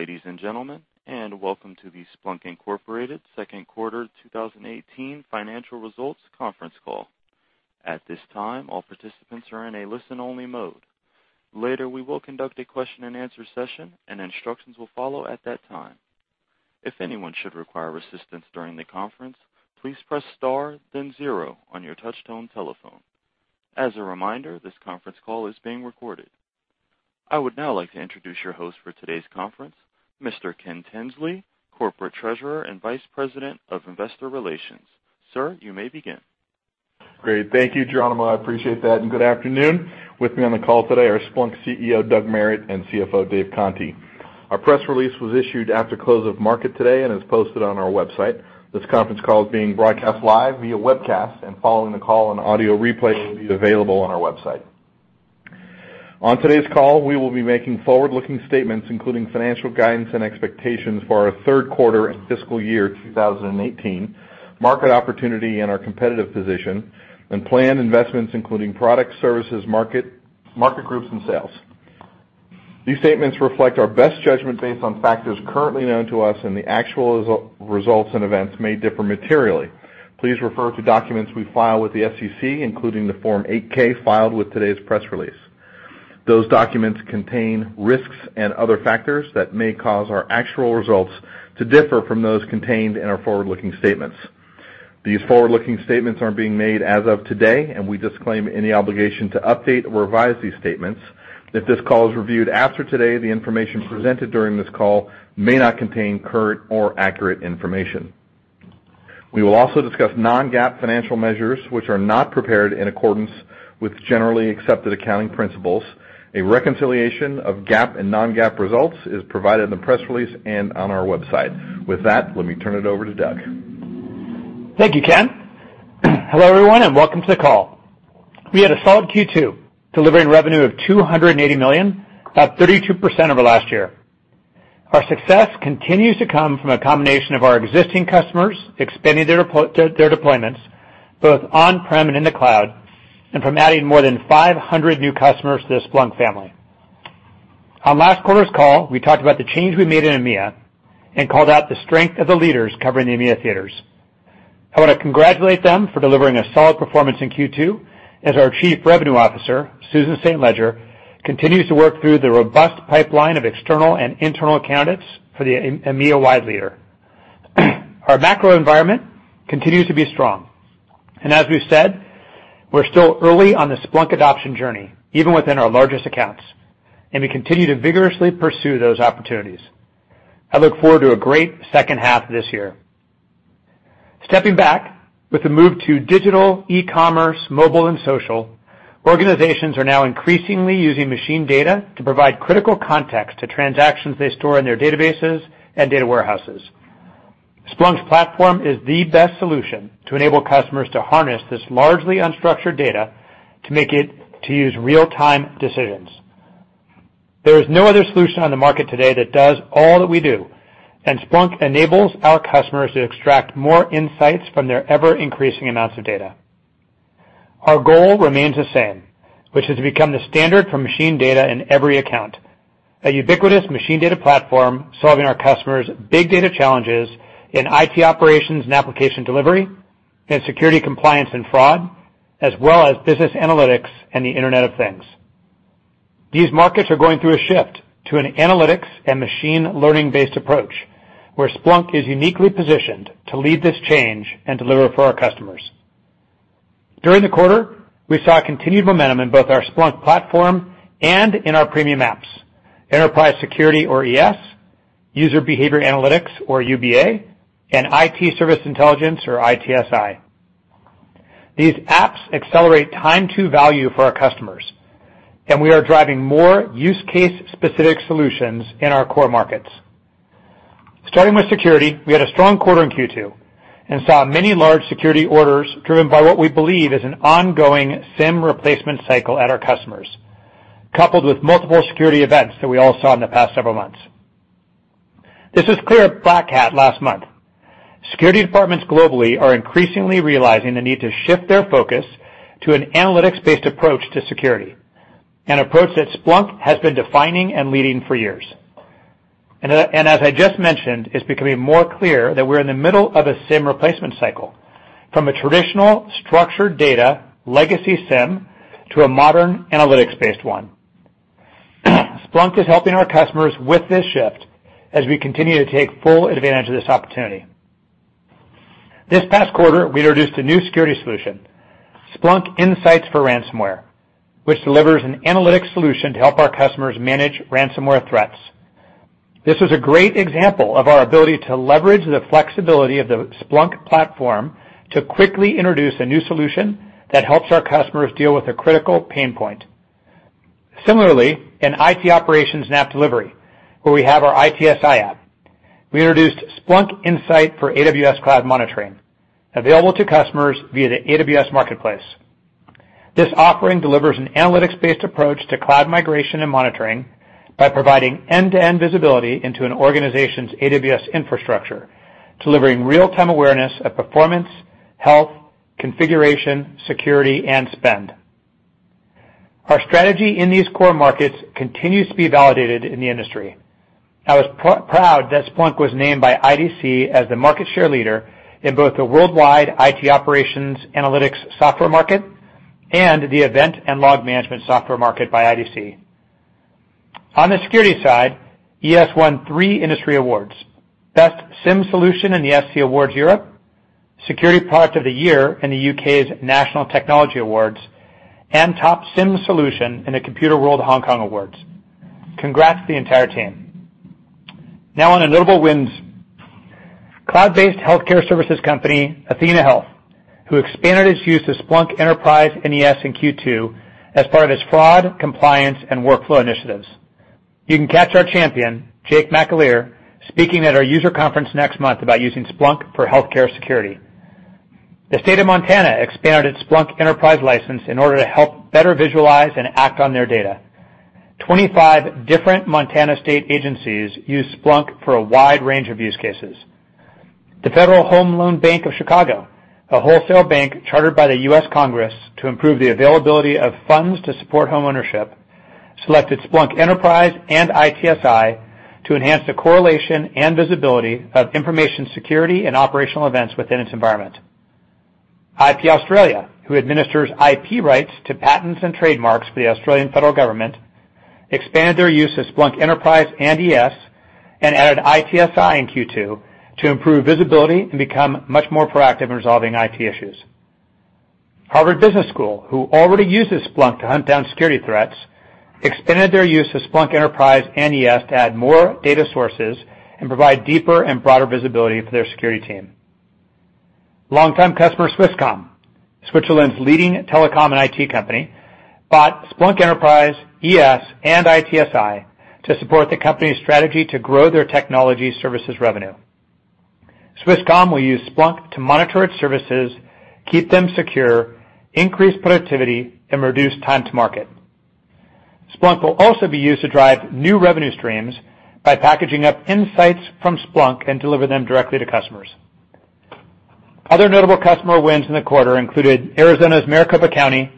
Good day, ladies and gentlemen, and welcome to the Splunk Inc. second quarter 2018 financial results conference call. At this time, all participants are in a listen-only mode. Later, we will conduct a question and answer session, and instructions will follow at that time. If anyone should require assistance during the conference, please press star then zero on your touchtone telephone. As a reminder, this conference call is being recorded. I would now like to introduce your host for today's conference, Mr. Ken Tinsley, Corporate Treasurer and Vice President of Investor Relations. Sir, you may begin. Great. Thank you, Geronimo. I appreciate that. Good afternoon. With me on the call today are Splunk CEO, Doug Merritt, and CFO, Dave Conte. Our press release was issued after close of market today and is posted on our website. This conference call is being broadcast live via webcast. Following the call, an audio replay will be available on our website. On today's call, we will be making forward-looking statements, including financial guidance and expectations for our third quarter and fiscal year 2018, market opportunity and our competitive position, and planned investments including product, services, market groups, and sales. These statements reflect our best judgment based on factors currently known to us. The actual results and events may differ materially. Please refer to documents we file with the SEC, including the Form 8-K filed with today's press release. Those documents contain risks and other factors that may cause our actual results to differ from those contained in our forward-looking statements. These forward-looking statements are being made as of today. We disclaim any obligation to update or revise these statements. If this call is reviewed after today, the information presented during this call may not contain current or accurate information. We will also discuss non-GAAP financial measures which are not prepared in accordance with generally accepted accounting principles. A reconciliation of GAAP and non-GAAP results is provided in the press release and on our website. With that, let me turn it over to Doug. Thank you, Ken. Hello, everyone. Welcome to the call. We had a solid Q2, delivering revenue of $280 million, up 32% over last year. Our success continues to come from a combination of our existing customers expanding their deployments both on-prem and in the cloud. From adding more than 500 new customers to the Splunk family. On last quarter's call, we talked about the change we made in EMEA and called out the strength of the leaders covering the EMEA theaters. I want to congratulate them for delivering a solid performance in Q2 as our Chief Revenue Officer, Susan St. Ledger, continues to work through the robust pipeline of external and internal candidates for the EMEA-wide leader. Our macro environment continues to be strong. As we've said, we're still early on the Splunk adoption journey, even within our largest accounts, and we continue to vigorously pursue those opportunities. I look forward to a great second half this year. Stepping back, with the move to digital, e-commerce, mobile, and social, organizations are now increasingly using machine data to provide critical context to transactions they store in their databases and data warehouses. Splunk's platform is the best solution to enable customers to harness this largely unstructured data to use real-time decisions. There is no other solution on the market today that does all that we do. Splunk enables our customers to extract more insights from their ever-increasing amounts of data. Our goal remains the same, which is to become the standard for machine data in every account, a ubiquitous machine data platform solving our customers' big data challenges in IT operations and application delivery, in security compliance and fraud, as well as business analytics and the Internet of Things. These markets are going through a shift to an analytics and machine learning-based approach, where Splunk is uniquely positioned to lead this change and deliver for our customers. During the quarter, we saw continued momentum in both our Splunk platform and in our premium apps, Enterprise Security or ES, User Behavior Analytics or UBA, and IT Service Intelligence or ITSI. These apps accelerate time to value for our customers. We are driving more use case specific solutions in our core markets. Starting with security, we had a strong quarter in Q2 and saw many large security orders driven by what we believe is an ongoing SIEM replacement cycle at our customers, coupled with multiple security events that we all saw in the past several months. This was clear at Black Hat last month. Security departments globally are increasingly realizing the need to shift their focus to an analytics-based approach to security, an approach that Splunk has been defining and leading for years. As I just mentioned, it's becoming more clear that we're in the middle of a SIEM replacement cycle, from a traditional structured data legacy SIEM to a modern analytics-based one. Splunk is helping our customers with this shift as we continue to take full advantage of this opportunity. This past quarter, we introduced a new security solution, Splunk Insights for Ransomware, which delivers an analytics solution to help our customers manage ransomware threats. This is a great example of our ability to leverage the flexibility of the Splunk platform to quickly introduce a new solution that helps our customers deal with a critical pain point. Similarly, in IT operations and app delivery, where we have our ITSI app, we introduced Splunk Insights for AWS Cloud Monitoring, available to customers via the AWS Marketplace. This offering delivers an analytics-based approach to cloud migration and monitoring by providing end-to-end visibility into an organization's AWS infrastructure, delivering real-time awareness of performance, health, configuration, security, and spend. Our strategy in these core markets continues to be validated in the industry. I was proud that Splunk was named by IDC as the market share leader in both the worldwide IT operations analytics software market and the event and log management software market by IDC. On the security side, ES won three industry awards, Best SIEM Solution in the SC Awards Europe, Security Product of the Year in the U.K.'s National Technology Awards, and Top SIEM Solution in the Computerworld Hong Kong Awards. Congrats to the entire team. Now on to notable wins. Cloud-based healthcare services company, athenahealth, who expanded its use to Splunk Enterprise and ES in Q2 as part of its fraud, compliance, and workflow initiatives. You can catch our champion, Jake McAleer, speaking at our user conference next month about using Splunk for healthcare security. The State of Montana expanded its Splunk Enterprise license in order to help better visualize and act on their data. 25 different Montana State agencies use Splunk for a wide range of use cases. The Federal Home Loan Bank of Chicago, a wholesale bank chartered by the U.S. Congress to improve the availability of funds to support homeownership, selected Splunk Enterprise and ITSI to enhance the correlation and visibility of information security and operational events within its environment. IP Australia, who administers IP rights to patents and trademarks for the Australian federal government, expanded their use of Splunk Enterprise and ES and added ITSI in Q2 to improve visibility and become much more proactive in resolving IT issues. Harvard Business School, who already uses Splunk to hunt down security threats, expanded their use of Splunk Enterprise and ES to add more data sources and provide deeper and broader visibility for their security team. Long-time customer Swisscom, Switzerland's leading telecom and IT company, bought Splunk Enterprise, ES, and ITSI to support the company's strategy to grow their technology services revenue. Swisscom will use Splunk to monitor its services, keep them secure, increase productivity, and reduce time to market. Splunk will also be used to drive new revenue streams by packaging up insights from Splunk and deliver them directly to customers. Other notable customer wins in the quarter included Arizona's Maricopa County,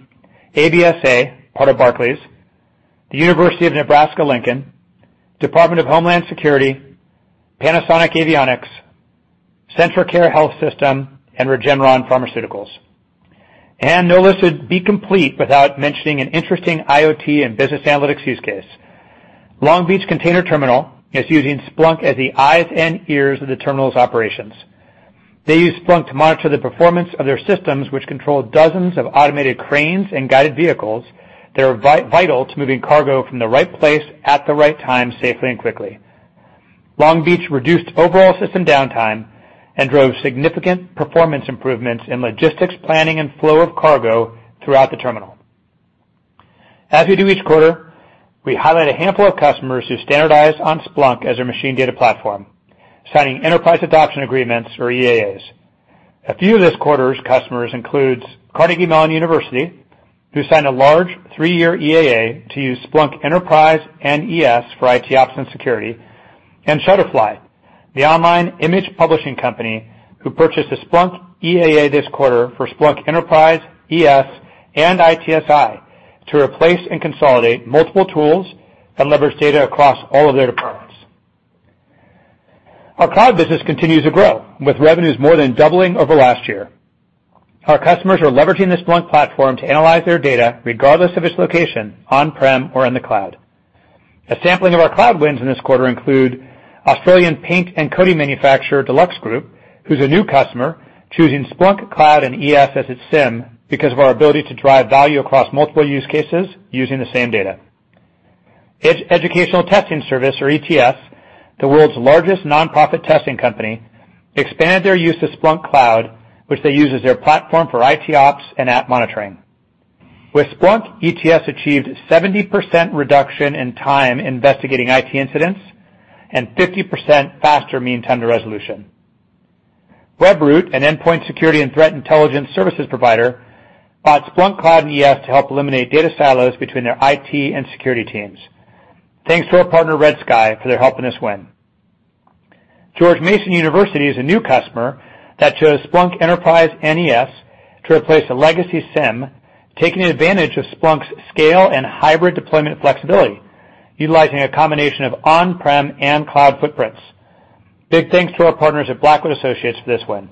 Absa, part of Barclays, the University of Nebraska–Lincoln, Department of Homeland Security, Panasonic Avionics, CentraCare Health System, and Regeneron Pharmaceuticals. No list would be complete without mentioning an interesting IoT and business analytics use case. Long Beach Container Terminal is using Splunk as the eyes and ears of the terminal's operations. They use Splunk to monitor the performance of their systems, which control dozens of automated cranes and guided vehicles that are vital to moving cargo from the right place at the right time safely and quickly. Long Beach reduced overall system downtime and drove significant performance improvements in logistics planning and flow of cargo throughout the terminal. As we do each quarter, we highlight a handful of customers who standardize on Splunk as their machine data platform, signing enterprise adoption agreements or EAAs. A few of this quarter's customers includes Carnegie Mellon University, who signed a large three-year EAA to use Splunk Enterprise and ES for IT ops and security, Shutterfly, the online image publishing company, who purchased a Splunk EAA this quarter for Splunk Enterprise, ES, and ITSI to replace and consolidate multiple tools that leverage data across all of their departments. Our cloud business continues to grow, with revenues more than doubling over last year. Our customers are leveraging the Splunk platform to analyze their data regardless of its location, on-prem or in the cloud. A sampling of our cloud wins in this quarter include Australian paint and coating manufacturer, DuluxGroup, who is a new customer choosing Splunk Cloud and ES as its SIEM because of our ability to drive value across multiple use cases using the same data. Educational Testing Service, or ETS, the world's largest nonprofit testing company, expanded their use to Splunk Cloud, which they use as their platform for IT ops and app monitoring. With Splunk, ETS achieved 70% reduction in time investigating IT incidents and 50% faster mean time to resolution. Webroot, an endpoint security and threat intelligence services provider, bought Splunk Cloud and ES to help eliminate data silos between their IT and security teams. Thanks to our partner, RedSky, for their help in this win. George Mason University is a new customer that chose Splunk Enterprise and ES to replace a legacy SIEM, taking advantage of Splunk's scale and hybrid deployment flexibility, utilizing a combination of on-prem and cloud footprints. Big thanks to our partners at Blackwood Associates for this win.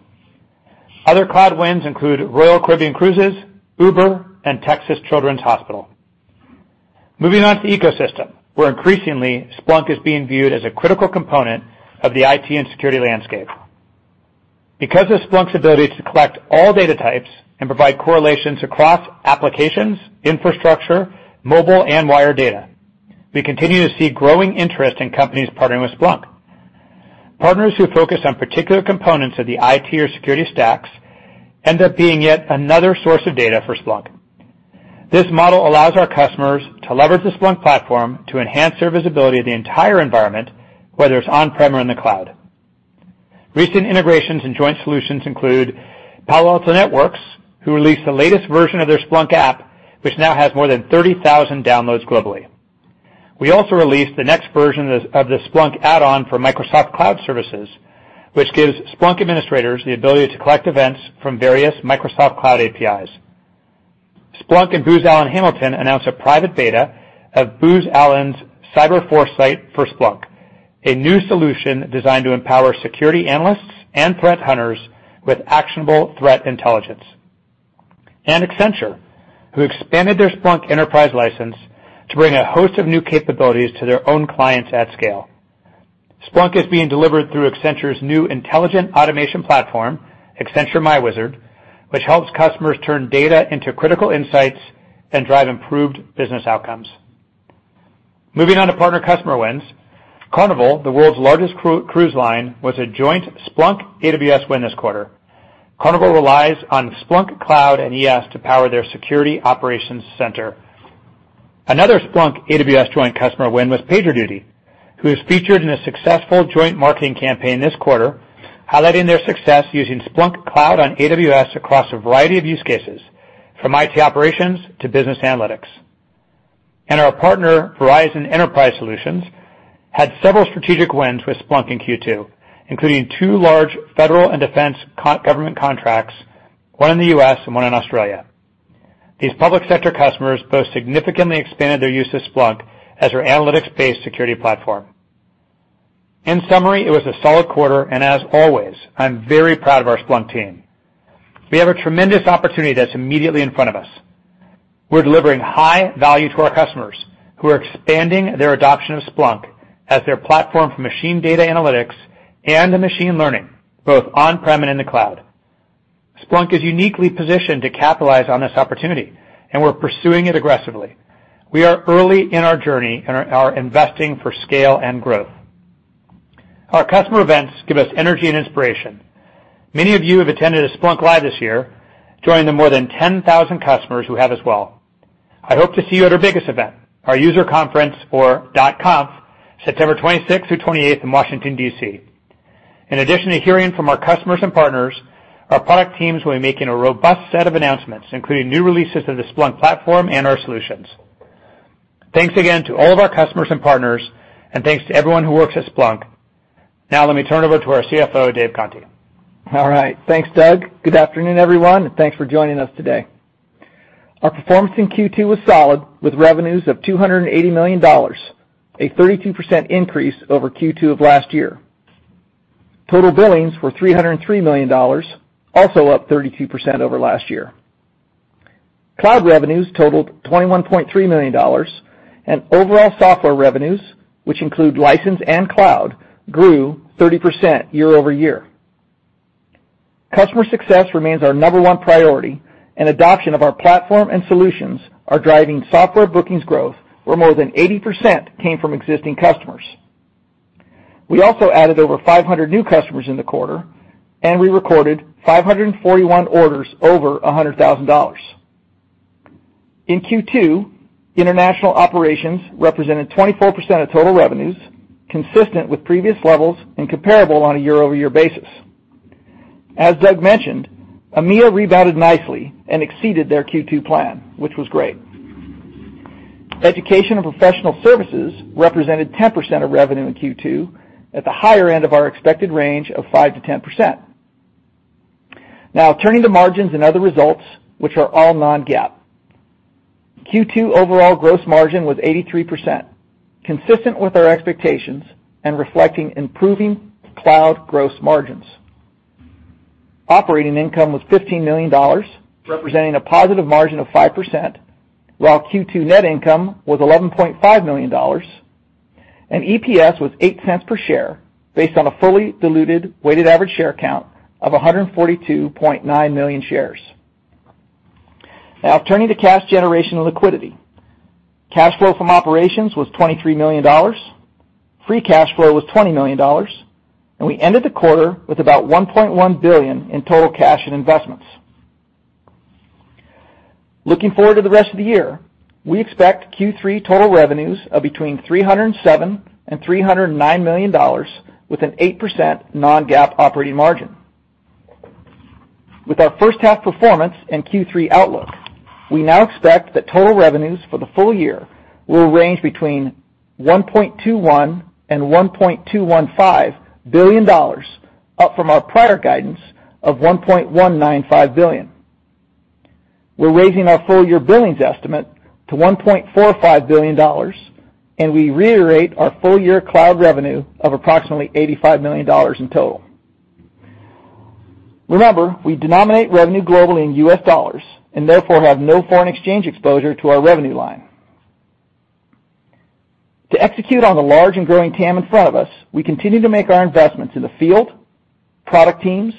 Other cloud wins include Royal Caribbean Cruises, Uber, and Texas Children's Hospital. Moving on to ecosystem, where increasingly, Splunk is being viewed as a critical component of the IT and security landscape. Because of Splunk's ability to collect all data types and provide correlations across applications, infrastructure, mobile, and wire data, we continue to see growing interest in companies partnering with Splunk. Partners who focus on particular components of the IT or security stacks end up being yet another source of data for Splunk. This model allows our customers to leverage the Splunk platform to enhance their visibility of the entire environment, whether it is on-prem or in the cloud. Recent integrations and joint solutions include Palo Alto Networks, who released the latest version of their Splunk app, which now has more than 30,000 downloads globally. We also released the next version of the Splunk Add-on for Microsoft Cloud Services, which gives Splunk administrators the ability to collect events from various Microsoft Cloud APIs. Splunk and Booz Allen Hamilton announced a private beta of Booz Allen's Cyber4Sight for Splunk, a new solution designed to empower security analysts and threat hunters with actionable threat intelligence. Accenture, who expanded their Splunk Enterprise license to bring a host of new capabilities to their own clients at scale. Splunk is being delivered through Accenture's new intelligent automation platform, Accenture myWizard, which helps customers turn data into critical insights and drive improved business outcomes. Moving on to partner customer wins. Carnival, the world's largest cruise line, was a joint Splunk AWS win this quarter. Carnival relies on Splunk Cloud and ES to power their security operations center. Another Splunk AWS joint customer win was PagerDuty, who was featured in a successful joint marketing campaign this quarter, highlighting their success using Splunk Cloud on AWS across a variety of use cases, from IT operations to business analytics. Our partner, Verizon Enterprise Solutions, had several strategic wins with Splunk in Q2, including two large federal and defense government contracts, one in the U.S. and one in Australia. These public sector customers both significantly expanded their use of Splunk as their analytics-based security platform. In summary, it was a solid quarter. As always, I'm very proud of our Splunk team. We have a tremendous opportunity that's immediately in front of us. We're delivering high value to our customers who are expanding their adoption of Splunk as their platform for machine data analytics and machine learning, both on-prem and in the cloud. Splunk is uniquely positioned to capitalize on this opportunity, and we're pursuing it aggressively. We are early in our journey and are investing for scale and growth. Our customer events give us energy and inspiration. Many of you have attended a SplunkLive! this year, joining the more than 10,000 customers who have as well. I hope to see you at our biggest event, our user conference for .conf, September 26th through 28th in Washington, D.C. In addition to hearing from our customers and partners, our product teams will be making a robust set of announcements, including new releases of the Splunk platform and our solutions. Thanks again to all of our customers and partners. Thanks to everyone who works at Splunk. Now let me turn it over to our CFO, Dave Conte. All right. Thanks, Doug. Good afternoon, everyone. Thanks for joining us today. Our performance in Q2 was solid, with revenues of $280 million, a 32% increase over Q2 of last year. Total billings were $303 million, also up 32% over last year. Cloud revenues totaled $21.3 million, and overall software revenues, which include license and cloud, grew 30% year-over-year. Customer success remains our number one priority. Adoption of our platform and solutions are driving software bookings growth, where more than 80% came from existing customers. We also added over 500 new customers in the quarter. We recorded 541 orders over $100,000. In Q2, international operations represented 24% of total revenues, consistent with previous levels and comparable on a year-over-year basis. As Doug mentioned, EMEA rebounded nicely and exceeded their Q2 plan, which was great. Education and professional services represented 10% of revenue in Q2, at the higher end of our expected range of 5%-10%. Now turning to margins and other results, which are all non-GAAP. Q2 overall gross margin was 83%, consistent with our expectations and reflecting improving cloud gross margins. Operating income was $15 million, representing a positive margin of 5%, while Q2 net income was $11.5 million. EPS was $0.08 per share, based on a fully diluted weighted average share count of 142.9 million shares. Now turning to cash generation and liquidity. Cash flow from operations was $23 million. Free cash flow was $20 million. We ended the quarter with about $1.1 billion in total cash and investments. Looking forward to the rest of the year, we expect Q3 total revenues of between $307 million and $309 million, with an 8% non-GAAP operating margin. With our first half performance and Q3 outlook, we now expect that total revenues for the full year will range between $1.21 billion and $1.215 billion, up from our prior guidance of $1.195 billion. We're raising our full year billings estimate to $1.45 billion, and we reiterate our full year cloud revenue of approximately $85 million in total. Remember, we denominate revenue globally in US dollars and therefore have no foreign exchange exposure to our revenue line. To execute on the large and growing TAM in front of us, we continue to make our investments in the field, product teams,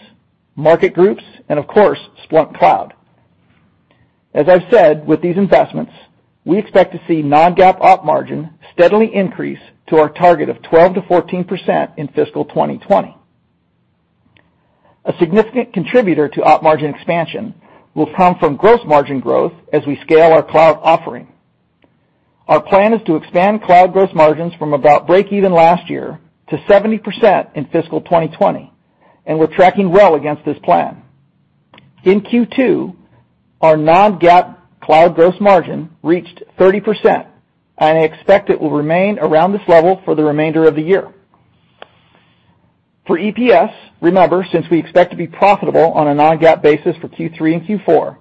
market groups, and of course, Splunk Cloud. As I've said, with these investments, we expect to see non-GAAP op margin steadily increase to our target of 12%-14% in fiscal 2020. A significant contributor to op margin expansion will come from gross margin growth as we scale our cloud offering. Our plan is to expand cloud gross margins from about break even last year to 70% in fiscal 2020. We're tracking well against this plan. In Q2, our non-GAAP cloud gross margin reached 30%. I expect it will remain around this level for the remainder of the year. For EPS, remember, since we expect to be profitable on a non-GAAP basis for Q3 and Q4,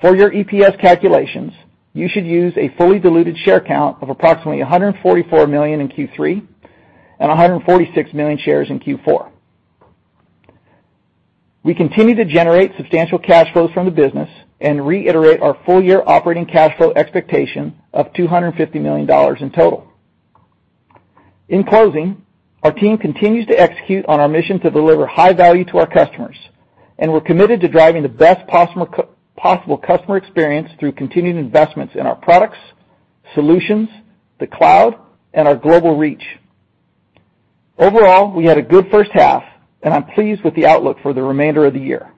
for your EPS calculations, you should use a fully diluted share count of approximately 144 million in Q3 and 146 million shares in Q4. We continue to generate substantial cash flows from the business and reiterate our full year operating cash flow expectation of $250 million in total. In closing, our team continues to execute on our mission to deliver high value to our customers. We're committed to driving the best possible customer experience through continued investments in our products, solutions, the cloud, and our global reach. Overall, we had a good first half. I'm pleased with the outlook for the remainder of the year.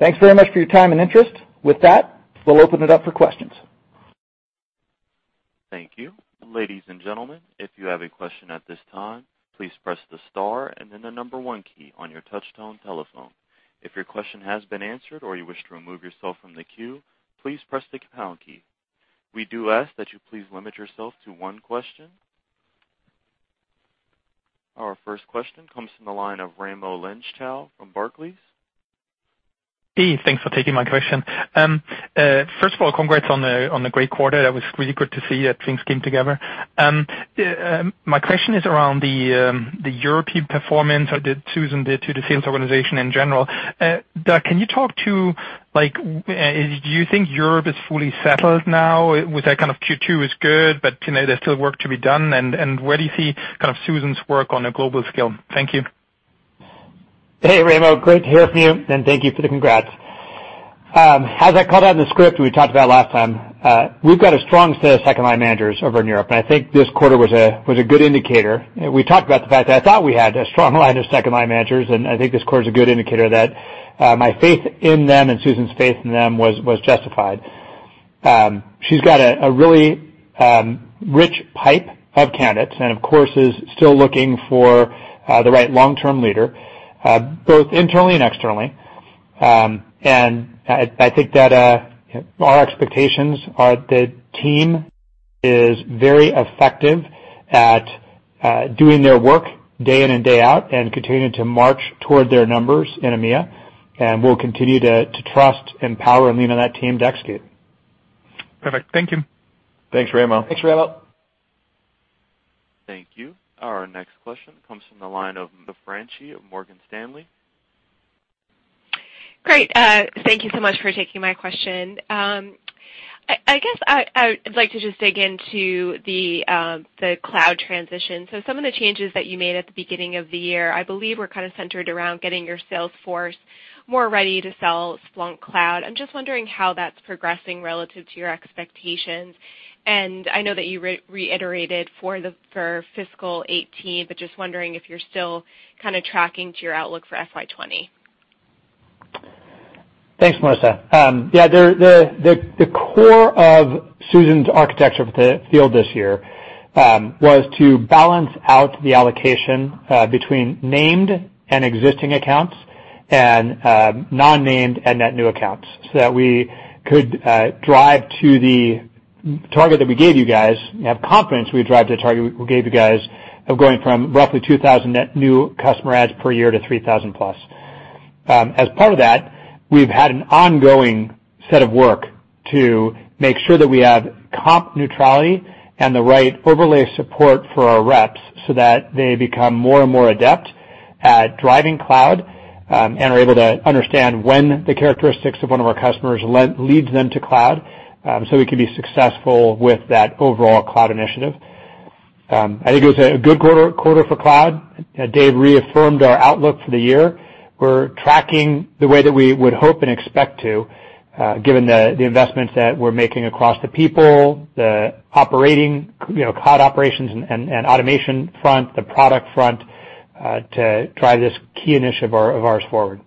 Thanks very much for your time and interest. With that, we'll open it up for questions. Thank you. Ladies and gentlemen, if you have a question at this time, please press the star and then the number one key on your touch tone telephone. If your question has been answered or you wish to remove yourself from the queue, please press the pound key. We do ask that you please limit yourself to one question. Our first question comes from the line of Raimo Lenschow from Barclays. Hey, thanks for taking my question. First of all, congrats on the great quarter. That was really good to see that things came together. My question is around the European performance that Susan did to the sales organization in general. Doug, can you talk to, do you think Europe is fully settled now with that kind of Q2 is good, but there's still work to be done, and where do you see kind of Susan's work on a global scale? Thank you. Hey, Raimo. Great to hear from you, and thank you for the congrats. As I called out in the script we talked about last time, we've got a strong set of second line managers over in Europe, and I think this quarter was a good indicator. We talked about the fact that I thought we had a strong line of second line managers, and I think this quarter is a good indicator that my faith in them and Susan's faith in them was justified. She's got a really rich pipe of candidates, and of course, is still looking for the right long-term leader, both internally and externally. I think that our expectations are the team is very effective at doing their work day in and day out and continuing to march toward their numbers in EMEA. We'll continue to trust, empower, and lean on that team to execute. Perfect. Thank you. Thanks, Raimo. Thanks, Raimo. Thank you. Our next question comes from the line of Melissa Franchi of Morgan Stanley. Great. Thank you so much for taking my question. I guess I would like to just dig into the Cloud transition. Some of the changes that you made at the beginning of the year, I believe were kind of centered around getting your sales force more ready to sell Splunk Cloud. I'm just wondering how that's progressing relative to your expectations. I know that you reiterated for fiscal 2018, but just wondering if you're still kind of tracking to your outlook for FY 2020. Thanks, Melissa. Yeah, the core of Susan's architecture for the field this year, was to balance out the allocation between named and existing accounts and non-named and net new accounts so that we could drive to the target that we gave you guys, have confidence we drive to the target we gave you guys of going from roughly 2,000 net new customer adds per year to 3,000 plus. As part of that, we've had an ongoing set of work to make sure that we have comp neutrality and the right overlay of support for our reps so that they become more and more adept at driving Cloud, and are able to understand when the characteristics of one of our customers leads them to Cloud, so we can be successful with that overall Cloud initiative. I think it was a good quarter for Cloud. Dave reaffirmed our outlook for the year. We're tracking the way that we would hope and expect to, given the investments that we're making across the people, the operating, cloud operations and automation front, the product front, to drive this key initiative of ours forward.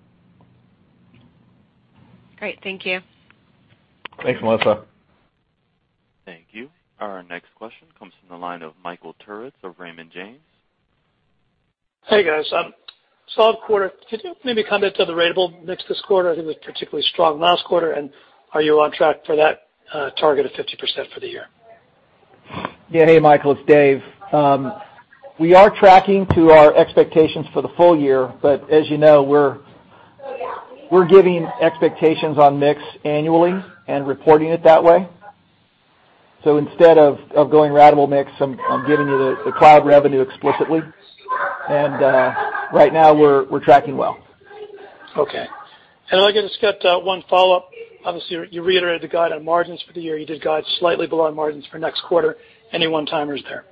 Great. Thank you. Thanks, Melissa. Thank you. Our next question comes from the line of Michael Turits of Raymond James. Hey, guys. Solid quarter. Could you maybe comment on the ratable mix this quarter? I think it was particularly strong last quarter, and are you on track for that target of 50% for the year? Yeah. Hey, Michael, it's Dave. We are tracking to our expectations for the full year, but as you know, we're giving expectations on mix annually and reporting it that way. Instead of going ratable mix, I'm giving you the cloud revenue explicitly, and right now we're tracking well. Okay. I guess just got one follow-up. Obviously, you reiterated the guide on margins for the year. You did guide slightly below on margins for next quarter. Any one-timers there?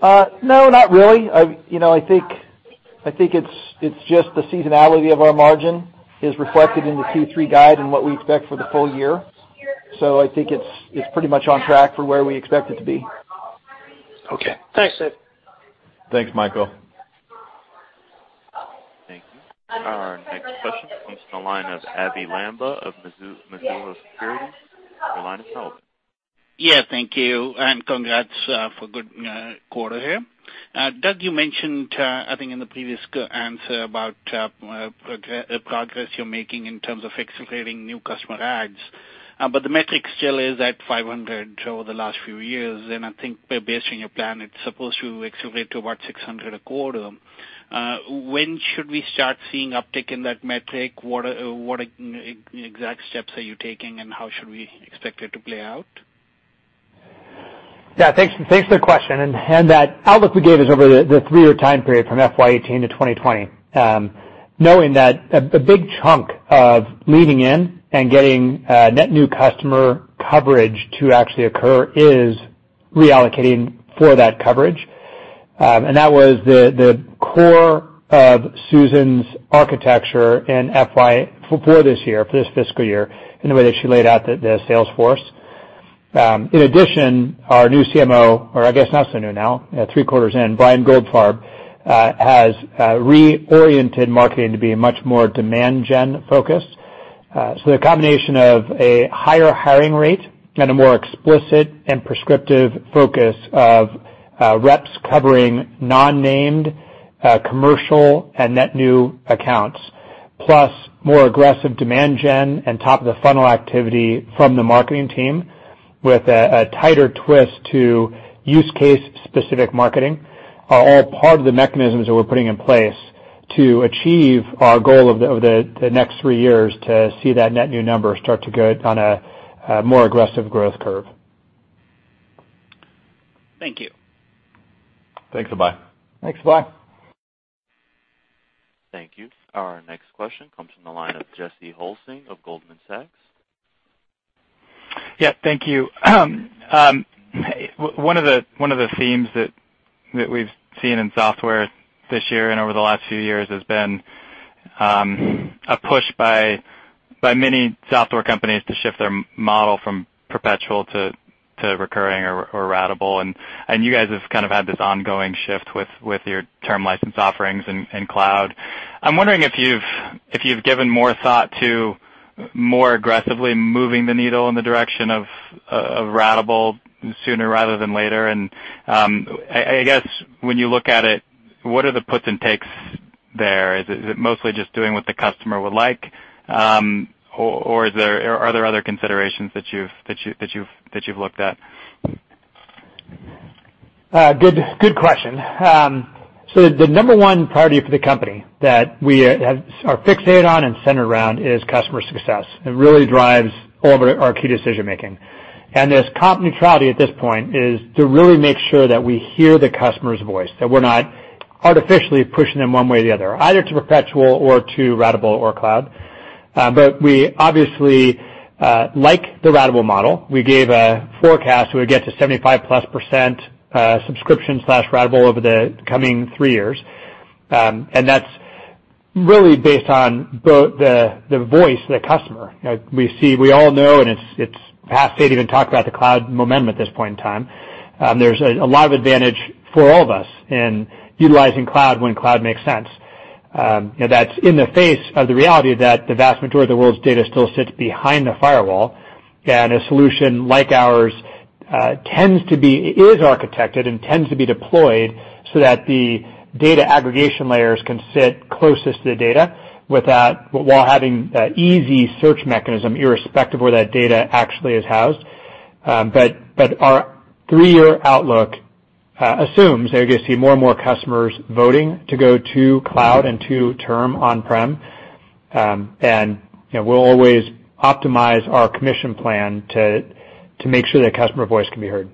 No, not really. I think it's just the seasonality of our margin is reflected in the Q3 guide and what we expect for the full year. I think it's pretty much on track for where we expect it to be. Okay. Thanks, Dave. Thanks, Michael. Thank you. Our next question comes from the line of Abhey Lamba of Mizuho Securities. Your line is open Thank you, and congrats for a good quarter here. Doug, you mentioned, I think in the previous answer, about progress you're making in terms of accelerating new customer adds. The metric still is at 500 over the last few years. I think basing your plan, it's supposed to accelerate to about 600 a quarter. When should we start seeing uptick in that metric? What exact steps are you taking, and how should we expect it to play out? Yeah. Thanks for the question. That outlook we gave is over the three-year time period from FY 2018 to 2020, knowing that a big chunk of leading in and getting net new customer coverage to actually occur is reallocating for that coverage. That was the core of Susan's architecture for this fiscal year, in the way that she laid out the sales force. In addition, our new CMO, or I guess not so new now, three quarters in, Brian Goldfarb, has reoriented marketing to be a much more demand gen focus. The combination of a higher hiring rate and a more explicit and prescriptive focus of reps covering non-named, commercial and net new accounts, plus more aggressive demand gen and top-of-the-funnel activity from the marketing team with a tighter twist to use case-specific marketing are all part of the mechanisms that we're putting in place to achieve our goal over the next three years to see that net new number start to go on a more aggressive growth curve. Thank you. Thanks. Bye. Thanks. Bye. Thank you. Our next question comes from the line of Jesse Hulsing of Goldman Sachs. Yeah, thank you. One of the themes that we've seen in software this year and over the last few years has been a push by many software companies to shift their model from perpetual to recurring or ratable. You guys have kind of had this ongoing shift with your term license offerings and cloud. I'm wondering if you've given more thought to more aggressively moving the needle in the direction of ratable sooner rather than later. I guess when you look at it, what are the puts and takes there? Is it mostly just doing what the customer would like? Are there other considerations that you've looked at? Good question. The number one priority for the company that we are fixated on and centered around is customer success. It really drives all of our key decision-making. This comp neutrality at this point is to really make sure that we hear the customer's voice, that we're not artificially pushing them one way or the other, either to perpetual or to ratable or cloud. We obviously like the ratable model. We gave a forecast we would get to 75+% subscription/ratable over the coming three years. That's really based on both the voice of the customer. We all know, and it's half-baked to even talk about the cloud momentum at this point in time. There's a lot of advantage for all of us in utilizing cloud when cloud makes sense. That's in the face of the reality that the vast majority of the world's data still sits behind the firewall. A solution like ours is architected and tends to be deployed so that the data aggregation layers can sit closest to the data while having that easy search mechanism, irrespective of where that data actually is housed. Our three-year outlook assumes that you're going to see more and more customers voting to go to cloud and to term on-prem. We'll always optimize our commission plan to make sure that customer voice can be heard.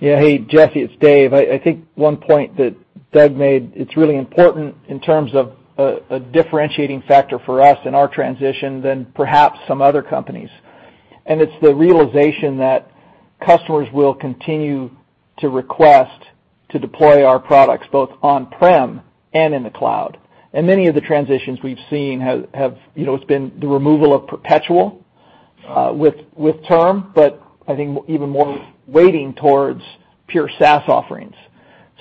Yeah. Hey, Jesse, it's Dave. I think one point that Doug made, it's really important in terms of a differentiating factor for us in our transition than perhaps some other companies. It's the realization that customers will continue to request to deploy our products both on-prem and in the cloud. Many of the transitions we've seen, it's been the removal of perpetual with term, but I think even more weighting towards pure SaaS offerings.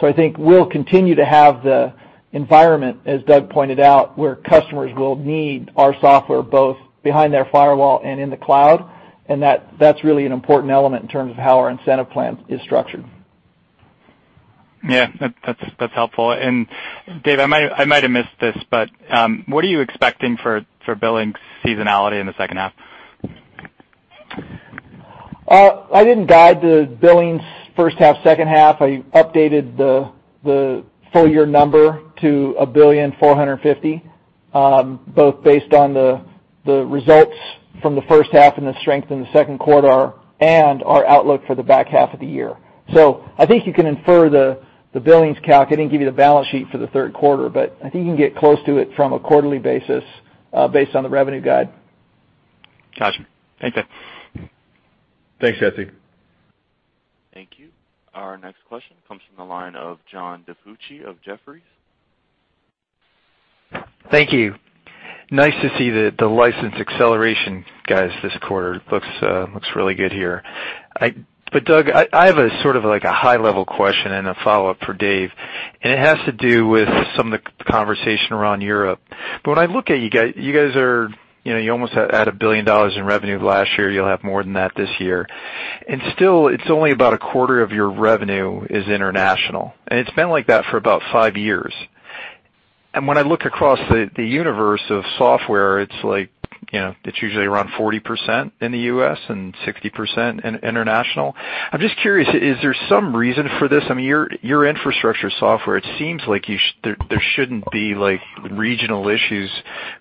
I think we'll continue to have the environment, as Doug pointed out, where customers will need our software both behind their firewall and in the cloud, and that's really an important element in terms of how our incentive plan is structured. Yeah, that's helpful. Dave, I might have missed this, what are you expecting for billing seasonality in the second half? I didn't guide the billings first half, second half. I updated the full-year number to $1.45 billion, both based on the results from the first half and the strength in the second quarter and our outlook for the back half of the year. I think you can infer the billings calc. I didn't give you the balance sheet for the third quarter, I think you can get close to it from a quarterly basis based on the revenue guide. Got you. Thanks, Dave. Thanks, Jesse. Thank you. Our next question comes from the line of John DiFucci of Jefferies. Thank you. Nice to see the license acceleration, guys, this quarter. Looks really good here. Doug, I have a sort of like a high-level question and a follow-up for Dave. It has to do with some of the conversation around Europe. When I look at you guys, you almost had $1 billion in revenue last year. You'll have more than that this year. Still, it's only about a quarter of your revenue is international, and it's been like that for about five years. When I look across the universe of software, it's usually around 40% in the U.S. and 60% in international. I'm just curious, is there some reason for this? I mean, your infrastructure software, it seems like there shouldn't be regional issues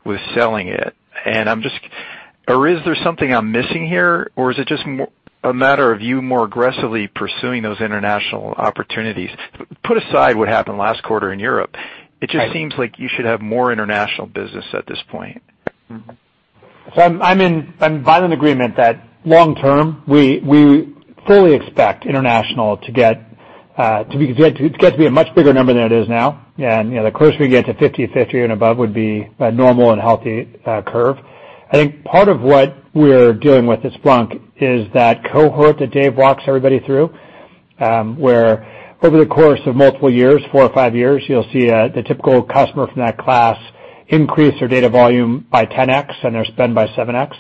with selling it. Is there something I'm missing here, or is it just a matter of you more aggressively pursuing those international opportunities? Put aside what happened last quarter in Europe. Right. It just seems like you should have more international business at this point. I'm in violent agreement that long-term, we fully expect international to get to be a much bigger number than it's now. The closer we get to 50-50 and above would be a normal and healthy curve. I think part of what we're dealing with as Splunk is that cohort that Dave walks everybody through, where over the course of multiple years, four or five years, you'll see the typical customer from that class increase their data volume by 10x and their spend by 7x.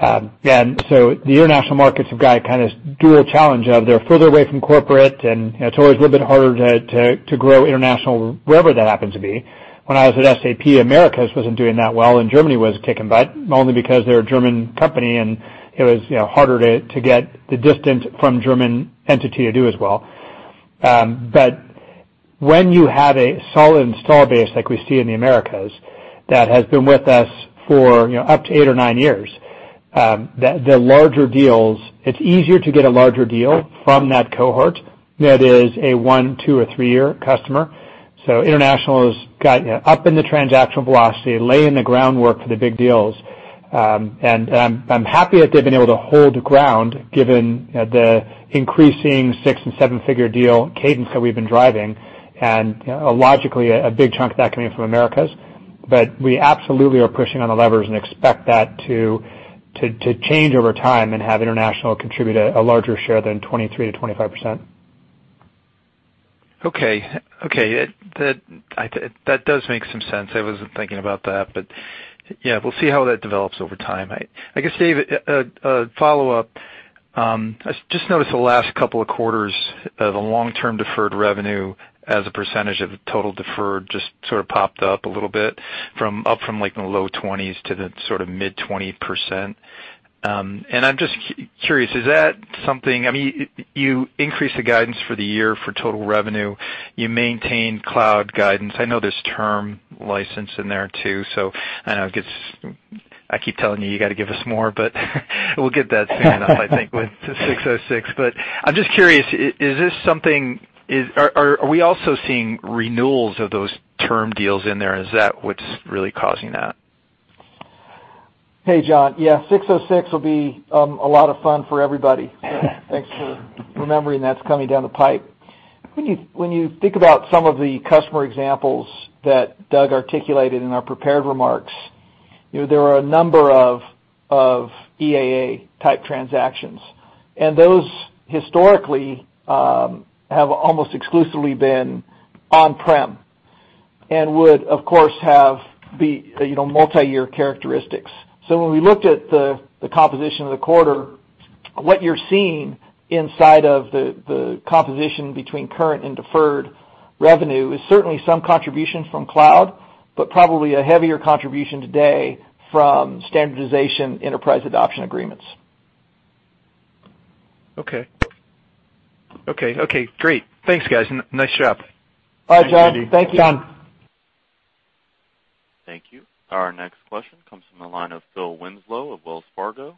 The international markets have got a kind of dual challenge of they're further away from corporate, and it's always a little bit harder to grow international, wherever that happens to be. When I was at SAP, Americas wasn't doing that well, and Germany was kicking butt, only because they're a German company, and it was harder to get the distance from German entity to do as well. When you have a solid install base like we see in the Americas that has been with us for up to eight or nine years, it's easier to get a larger deal from that cohort than it is a one, two, or three-year customer. International has got up in the transactional velocity, laying the groundwork for the big deals. I'm happy that they've been able to hold ground given the increasing six and seven-figure deal cadence that we've been driving and logically, a big chunk of that coming in from Americas. We absolutely are pushing on the levers and expect that to change over time and have international contribute a larger share than 23%-25%. Okay. That does make some sense. I wasn't thinking about that, yeah, we'll see how that develops over time. I guess, Dave, a follow-up. I just noticed the last couple of quarters of the long-term deferred revenue as a percentage of the total deferred just sort of popped up a little bit from up from the low 20s to the mid-20%. I'm just curious, is that something-- you increase the guidance for the year for total revenue, you maintain cloud guidance. I know there's term license in there too, so I know it gets-- I keep telling you you got to give us more, we'll get that soon enough, I think, with 606. I'm just curious, are we also seeing renewals of those term deals in there, and is that what's really causing that? Hey, John. Yeah, 606 will be a lot of fun for everybody. Thanks for remembering that's coming down the pipe. When you think about some of the customer examples that Doug articulated in our prepared remarks, there are a number of EAA-type transactions, those historically have almost exclusively been on-prem and would, of course, have multi-year characteristics. When we looked at the composition of the quarter, what you're seeing inside of the composition between current and deferred revenue is certainly some contribution from cloud, probably a heavier contribution today from standardization enterprise adoption agreements. Okay. Great. Thanks, guys. Nice job. All right. John. Thanks, John. Thank you. Our next question comes from the line of Phil Winslow of Wells Fargo.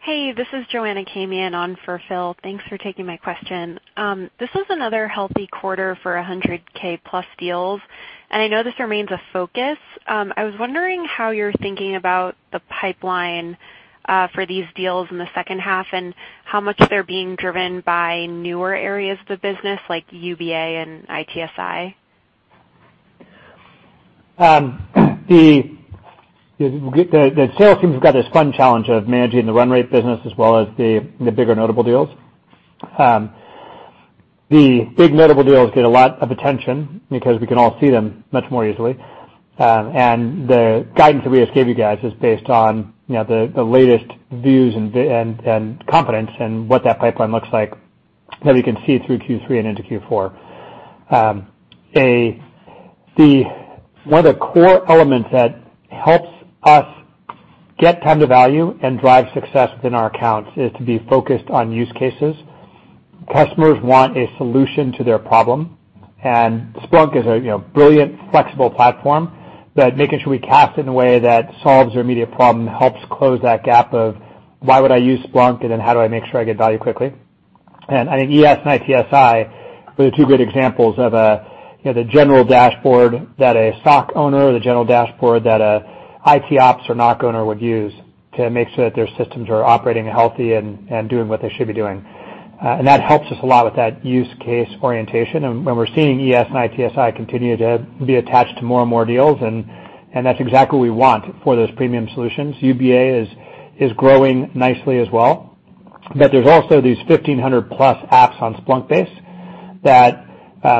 Hey, this is Joanna Kamien on for Phil. Thanks for taking my question. This is another healthy quarter for 100K plus deals. I know this remains a focus. I was wondering how you're thinking about the pipeline for these deals in the second half and how much they're being driven by newer areas of the business like UBA and ITSI. The sales team's got this fun challenge of managing the run rate business as well as the bigger notable deals. The big notable deals get a lot of attention because we can all see them much more easily. The guidance that we just gave you guys is based on the latest views and confidence and what that pipeline looks like that we can see through Q3 and into Q4. One of the core elements that helps us get time to value and drive success within our accounts is to be focused on use cases. Customers want a solution to their problem, and Splunk is a brilliant flexible platform, but making sure we cast it in a way that solves their immediate problem helps close that gap of why would I use Splunk, and then how do I make sure I get value quickly? I think ES and ITSI were the two great examples of the general dashboard that a SOC owner or the general dashboard that a ITOps or NOC owner would use to make sure that their systems are operating healthy and doing what they should be doing. That helps us a lot with that use case orientation. When we're seeing ES and ITSI continue to be attached to more and more deals, that's exactly what we want for those premium solutions. UBA is growing nicely as well. There's also these 1,500 plus apps on Splunkbase,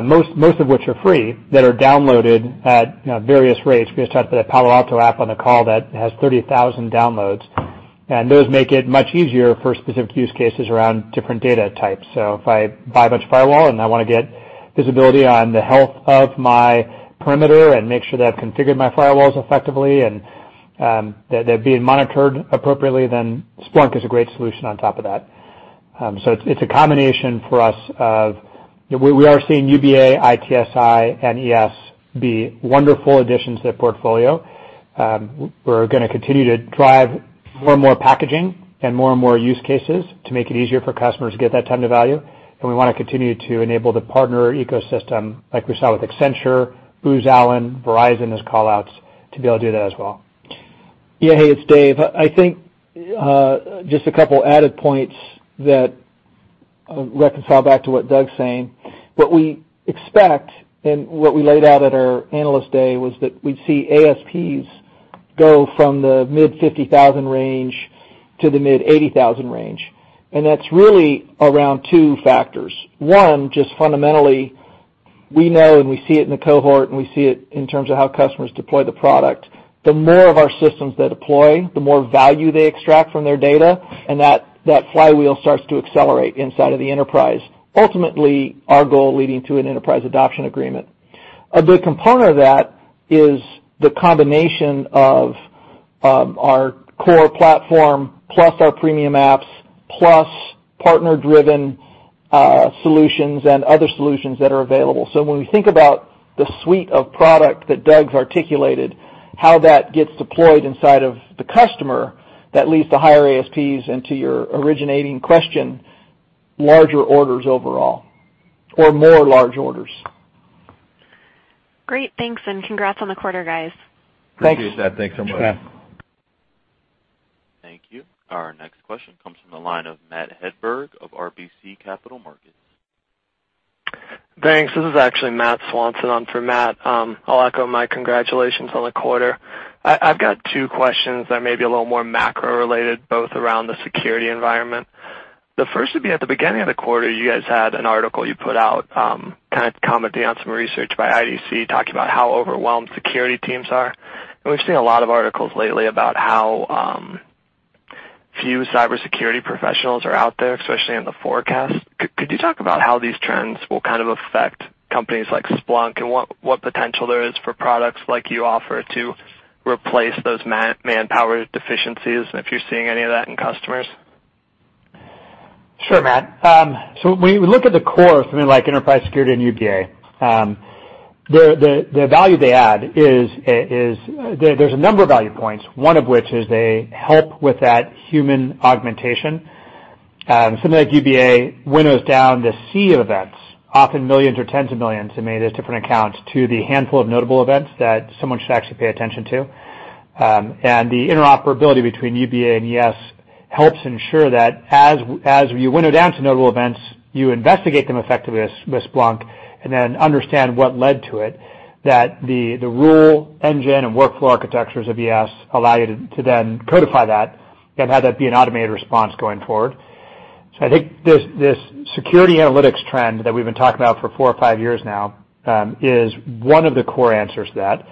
most of which are free, that are downloaded at various rates. We just talked about a Palo Alto app on the call that has 30,000 downloads, those make it much easier for specific use cases around different data types. If I buy a bunch of firewall and I want to get visibility on the health of my perimeter and make sure that I've configured my firewalls effectively and that they're being monitored appropriately, Splunk is a great solution on top of that. It's a combination for us of, we are seeing UBA, ITSI, and ES be wonderful additions to the portfolio. We're going to continue to drive more and more packaging and more and more use cases to make it easier for customers to get that time to value. We want to continue to enable the partner ecosystem, like we saw with Accenture, Booz Allen, Verizon as call-outs, to be able to do that as well. Yeah. Hey, it's Dave. I think just a couple added points that reconcile back to what Doug's saying. What we expect and what we laid out at our Analyst Day was that we'd see ASPs go from the mid $50,000 range to the mid $80,000 range. That's really around two factors. One, just fundamentally, we know and we see it in the cohort, and we see it in terms of how customers deploy the product. The more of our systems they deploy, the more value they extract from their data, that flywheel starts to accelerate inside of the enterprise. Ultimately, our goal leading to an Enterprise Adoption Agreement. A big component of that is the combination of our core platform plus our premium apps, plus partner-driven solutions and other solutions that are available. When we think about the suite of product that Doug's articulated, how that gets deployed inside of the customer, that leads to higher ASPs, to your originating question, larger orders overall, or more large orders. Great. Thanks, and congrats on the quarter, guys. Thanks. Appreciate that. Thanks so much. Thank you. Our next question comes from the line of Matt Hedberg of RBC Capital Markets. Thanks. This is actually Matthew Swanson on for Matt. I'll echo my congratulations on the quarter. I've got two questions that may be a little more macro-related, both around the security environment. The first would be, at the beginning of the quarter, you guys had an article you put out, kind of commenting on some research by IDC, talking about how overwhelmed security teams are. We've seen a lot of articles lately about how few cybersecurity professionals are out there, especially in the forecast. Could you talk about how these trends will affect companies like Splunk and what potential there is for products like you offer to replace those manpower deficiencies, and if you're seeing any of that in customers? Sure, Matt. When we look at the core of something like Enterprise Security and UBA, the value they add is, there's a number of value points, one of which is they help with that human augmentation. Something like UBA winnows down the sea of events, often millions or tens of millions in many of those different accounts, to the handful of notable events that someone should actually pay attention to. The interoperability between UBA and ES helps ensure that as you winnow down to notable events, you investigate them effectively with Splunk and then understand what led to it, that the rule engine and workflow architectures of ES allow you to then codify that and have that be an automated response going forward. I think this security analytics trend that we've been talking about for four or five years now, is one of the core answers to that.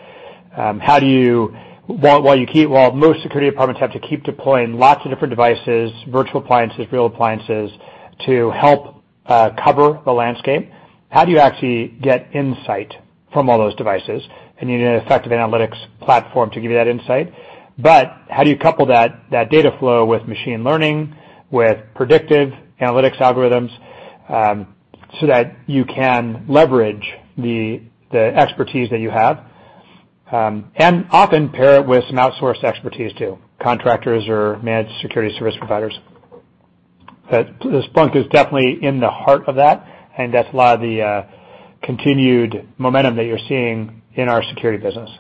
While most security departments have to keep deploying lots of different devices, virtual appliances, real appliances, to help cover the landscape, how do you actually get insight from all those devices? You need an effective analytics platform to give you that insight. How do you couple that data flow with machine learning, with predictive analytics algorithms, so that you can leverage the expertise that you have, and often pair it with some outsourced expertise, too. Contractors or managed security service providers. Splunk is definitely in the heart of that, and that's a lot of the continued momentum that you're seeing in our security business.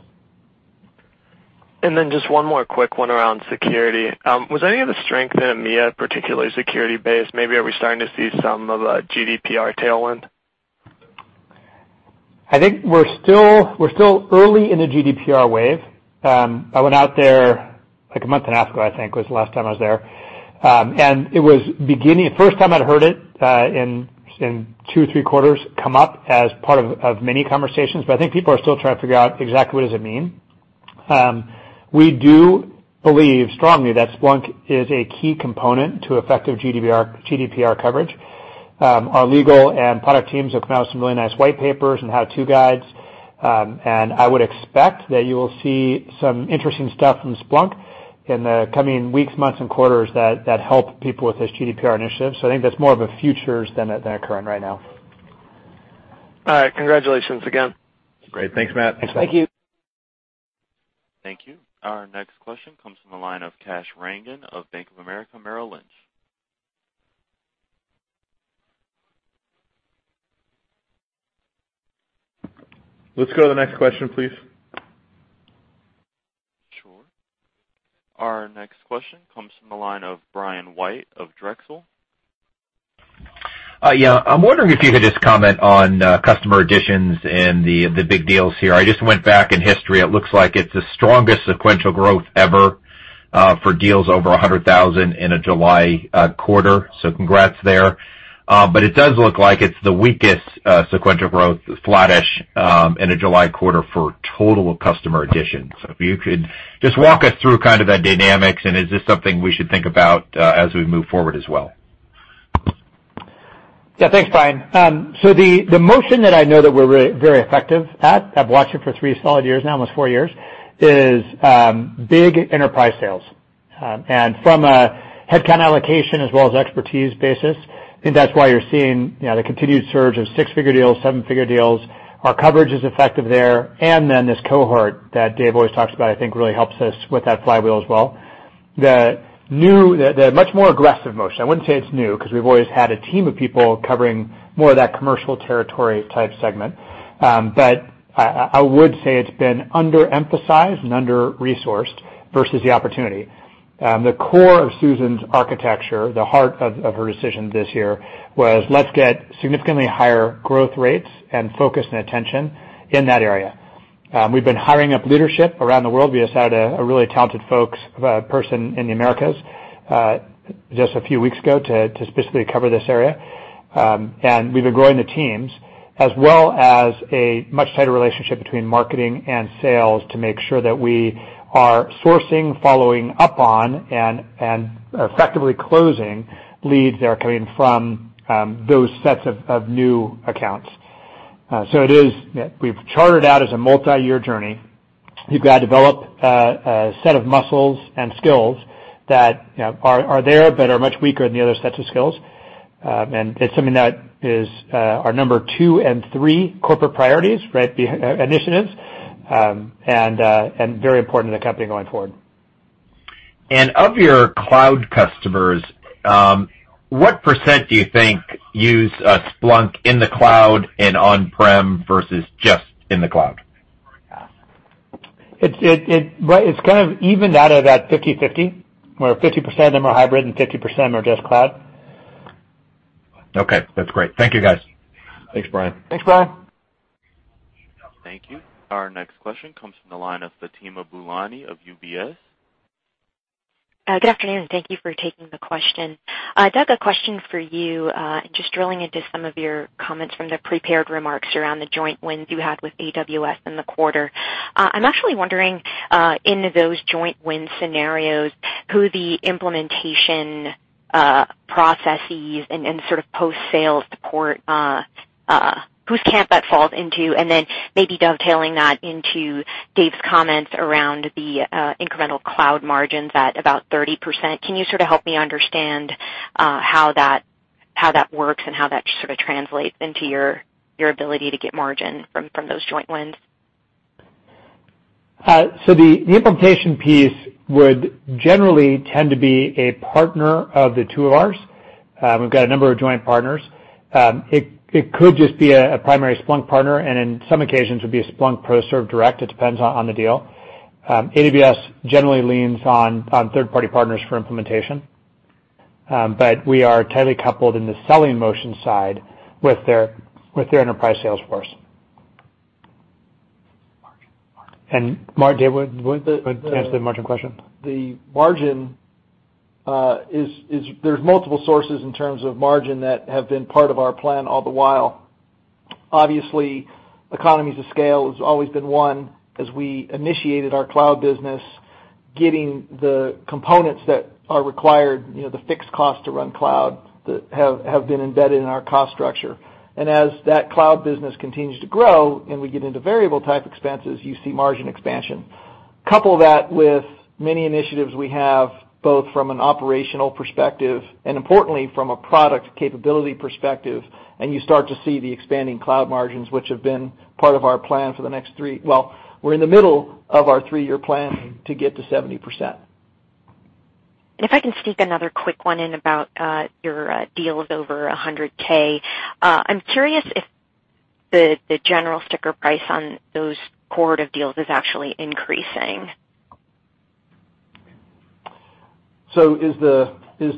Then just one more quick one around security. Was any of the strength in EMEA particularly security-based? Maybe are we starting to see some of a GDPR tailwind? I think we're still early in the GDPR wave. I went out there, a month and a half ago, I think, was the last time I was there. It was beginning. First time I'd heard it in two or three quarters come up as part of many conversations. I think people are still trying to figure out exactly what does it mean. We do believe strongly that Splunk is a key component to effective GDPR coverage. Our legal and product teams have come out with some really nice white papers and how-to guides. I would expect that you will see some interesting stuff from Splunk in the coming weeks, months, and quarters that help people with this GDPR initiative. I think that's more of a futures than a current right now. All right. Congratulations again. Great. Thanks, Matt. Thanks. Thank you. Thank you. Our next question comes from the line of Kash Rangan of Bank of America Merrill Lynch. Let's go to the next question, please. Sure. Our next question comes from the line of Brian White of Drexel. I'm wondering if you could just comment on customer additions and the big deals here. I just went back in history. It looks like it's the strongest sequential growth ever for deals over 100,000 in a July quarter. Congrats there. It does look like it's the weakest sequential growth, flattish, in a July quarter for total customer additions. If you could just walk us through kind of the dynamics, and is this something we should think about as we move forward as well? Thanks, Brian. The motion that I know that we're very effective at, I've watched it for three solid years now, almost four years, is big enterprise sales. From a headcount allocation as well as expertise basis, I think that's why you're seeing the continued surge of six-figure deals, seven-figure deals. Our coverage is effective there. Then this cohort that Dave always talks about, I think, really helps us with that flywheel as well. The much more aggressive motion, I wouldn't say it's new, because we've always had a team of people covering more of that commercial territory type segment. I would say it's been under-emphasized and under-resourced versus the opportunity. The core of Susan's architecture, the heart of her decision this year, was let's get significantly higher growth rates and focus and attention in that area. We've been hiring up leadership around the world. We just hired a really talented person in the Americas just a few weeks ago to specifically cover this area. We've been growing the teams, as well as a much tighter relationship between marketing and sales to make sure that we are sourcing, following up on, and effectively closing leads that are coming from those sets of new accounts. We've charted out as a multi-year journey. We've got to develop a set of muscles and skills that are there, but are much weaker than the other sets of skills. It's something that is our number two and three corporate priorities, initiatives, and very important to the company going forward. Of your cloud customers, what % do you think use Splunk in the cloud and on-prem versus just in the cloud? It's kind of evened out at about 50/50, where 50% of them are hybrid and 50% are just cloud. Okay, that's great. Thank you, guys. Thanks, Brian. Thanks, Brian. Thank you. Our next question comes from the line of Fatima Boolani of UBS. Good afternoon. Thank you for taking the question. Doug, a question for you, just drilling into some of your comments from the prepared remarks around the joint wins you had with AWS in the quarter. I'm actually wondering, in those joint win scenarios, who the implementation processes and sort of post-sales support, whose camp that falls into, and then maybe dovetailing that into Dave's comments around the incremental cloud margins at about 30%. Can you sort of help me understand how that works and how that sort of translates into your ability to get margin from those joint wins? The implementation piece would generally tend to be a partner of the two of ours. We've got a number of joint partners. It could just be a primary Splunk partner, and in some occasions, would be a Splunk pro serve direct. It depends on the deal. AWS generally leans on third-party partners for implementation. We are tightly coupled in the selling motion side with their enterprise sales force. Dave, want to answer the margin question? The margin, there's multiple sources in terms of margin that have been part of our plan all the while. Obviously, economies of scale has always been one as we initiated our cloud business, getting the components that are required, the fixed cost to run cloud that have been embedded in our cost structure. As that cloud business continues to grow and we get into variable type expenses, you see margin expansion. Couple that with many initiatives we have, both from an operational perspective and importantly from a product capability perspective, you start to see the expanding cloud margins, which have been part of our plan for the next three. Well, we're in the middle of our three-year plan to get to 70%. If I can sneak another quick one in about your deals over $100K. I'm curious if the general sticker price on those cohort deals is actually increasing. Is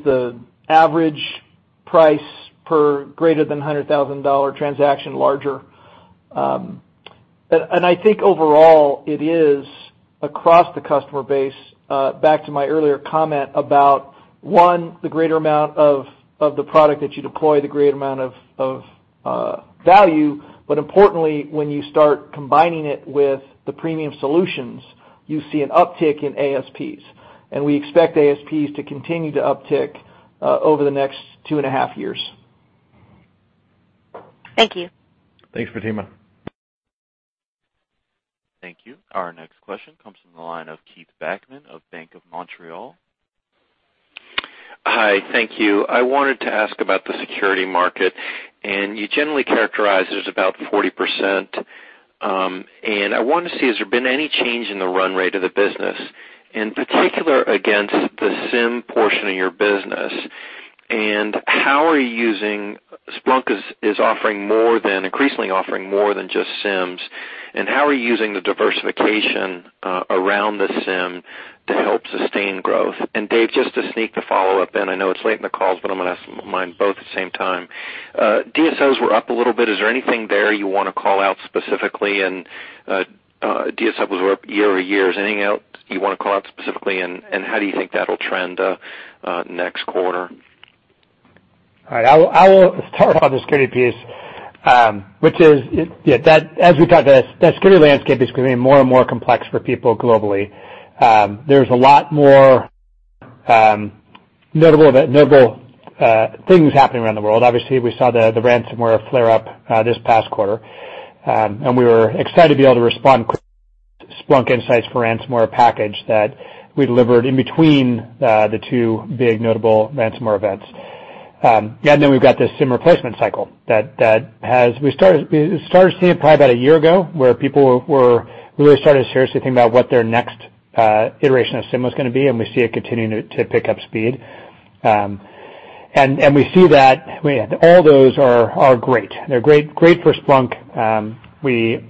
the average price per greater than $100,000 transaction larger? I think overall it is across the customer base. Back to my earlier comment about, one, the greater amount of the product that you deploy, the greater amount of value. Importantly, when you start combining it with the premium solutions, you see an uptick in ASPs. We expect ASPs to continue to uptick over the next two and a half years. Thank you. Thanks, Fatima. Thank you. Our next question comes from the line of Keith Bachman of BMO Capital Markets. Hi, thank you. I wanted to ask about the security market, you generally characterize it as about 40%. I wanted to see, has there been any change in the run rate of the business, in particular against the SIEM portion of your business? How are you using Splunk is increasingly offering more than just SIEMs, and how are you using the diversification around the SIEM to help sustain growth. Dave, just to sneak the follow-up in. I know it's late in the call, but I'm going to ask mine both at the same time. DSOs were up a little bit. Is there anything there you want to call out specifically? DSOs were up year-over-year. Is there anything else you want to call out specifically, and how do you think that'll trend next quarter? All right. I will start on the security piece, which is, as we talked about, that security landscape is becoming more and more complex for people globally. There's a lot more notable things happening around the world. Obviously, we saw the ransomware flare up this past quarter, and we were excited to be able to respond quickly with the Splunk Insights for Ransomware package that we delivered in between the two big notable ransomware events. Then we've got this SIEM replacement cycle that we started seeing probably about a year ago, where people really started seriously thinking about what their next iteration of SIEM was going to be, and we see it continuing to pick up speed. We see that all those are great. They're great for Splunk. We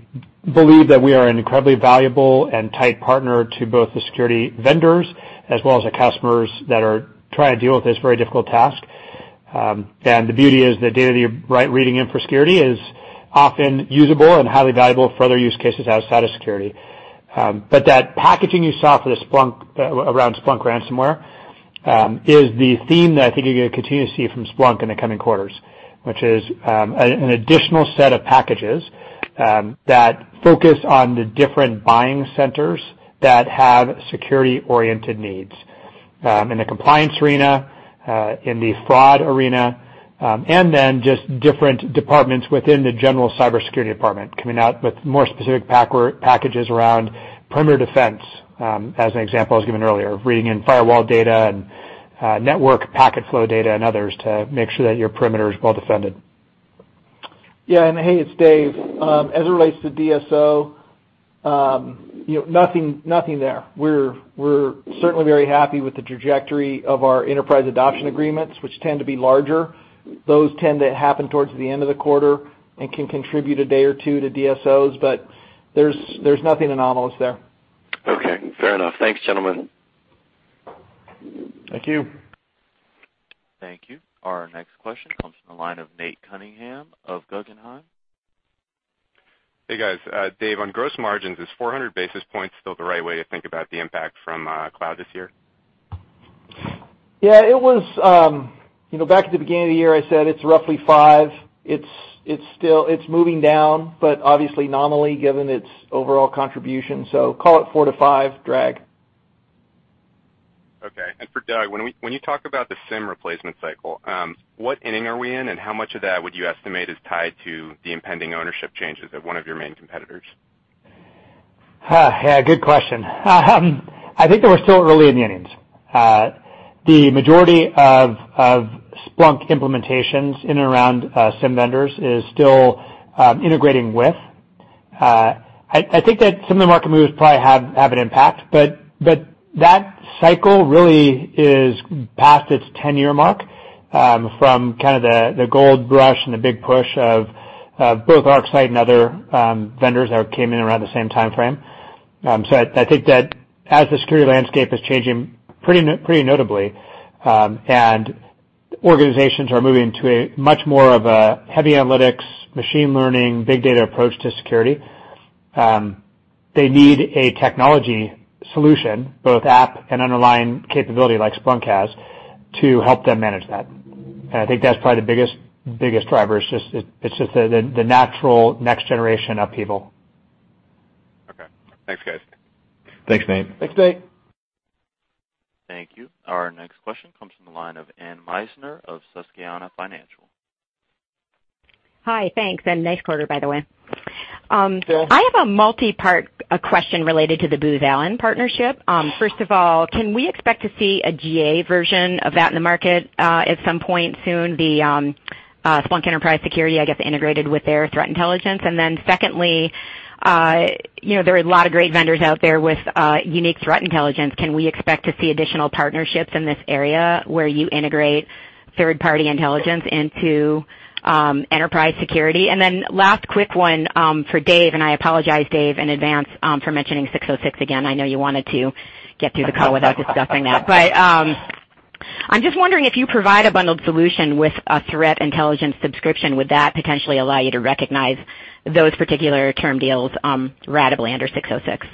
believe that we are an incredibly valuable and tight partner to both the security vendors as well as the customers that are trying to deal with this very difficult task. The beauty is the data that you're reading in for security is often usable and highly valuable for other use cases outside of security. That packaging you saw around Splunk ransomware is the theme that I think you're going to continue to see from Splunk in the coming quarters, which is an additional set of packages that focus on the different buying centers that have security-oriented needs. In the compliance arena, in the fraud arena, just different departments within the general cybersecurity department coming out with more specific packages around perimeter defense, as an example I was given earlier, reading in firewall data and network packet flow data and others to make sure that your perimeter is well defended. Hey, it's Dave. As it relates to DSO, nothing there. We're certainly very happy with the trajectory of our enterprise adoption agreements, which tend to be larger. Those tend to happen towards the end of the quarter and can contribute a day or two to DSOs, there's nothing anomalous there. Okay, fair enough. Thanks, gentlemen. Thank you. Thank you. Our next question comes from the line of Nate Cunningham of Guggenheim. Hey, guys. Dave, on gross margins, is 400 basis points still the right way to think about the impact from cloud this year? Yeah. Back at the beginning of the year, I said it's roughly five. It's moving down, but obviously nominally given its overall contribution. Call it 4-5 drag. Okay. For Doug, when you talk about the SIEM replacement cycle, what inning are we in, and how much of that would you estimate is tied to the impending ownership changes at one of your main competitors? Good question. I think that we're still early in the innings. The majority of Splunk implementations in and around SIEM vendors is still integrating with. I think that some of the market moves probably have an impact, but that cycle really is past its 10-year mark from kind of the gold rush and the big push of both ArcSight and other vendors that came in around the same timeframe. I think that as the security landscape is changing pretty notably, and organizations are moving to a much more of a heavy analytics, machine learning, big data approach to security, they need a technology solution, both app and underlying capability like Splunk has, to help them manage that. I think that's probably the biggest driver is just the natural next generation upheaval. Okay. Thanks, guys. Thanks, Nate. Thanks, Nate. Thank you. Our next question comes from the line of Anne Meissner of Susquehanna Financial. Hi, thanks. Nice quarter, by the way. Thanks. I have a multi-part question related to the Booz Allen partnership. First of all, can we expect to see a GA version of that in the market at some point soon, the Splunk Enterprise Security, I guess, integrated with their threat intelligence? Secondly, there are a lot of great vendors out there with unique threat intelligence. Can we expect to see additional partnerships in this area where you integrate third-party intelligence into Enterprise Security? Last quick one for Dave, and I apologize, Dave, in advance for mentioning 606 again. I know you wanted to get through the call without discussing that. I'm just wondering if you provide a bundled solution with a threat intelligence subscription, would that potentially allow you to recognize those particular term deals ratably under 606?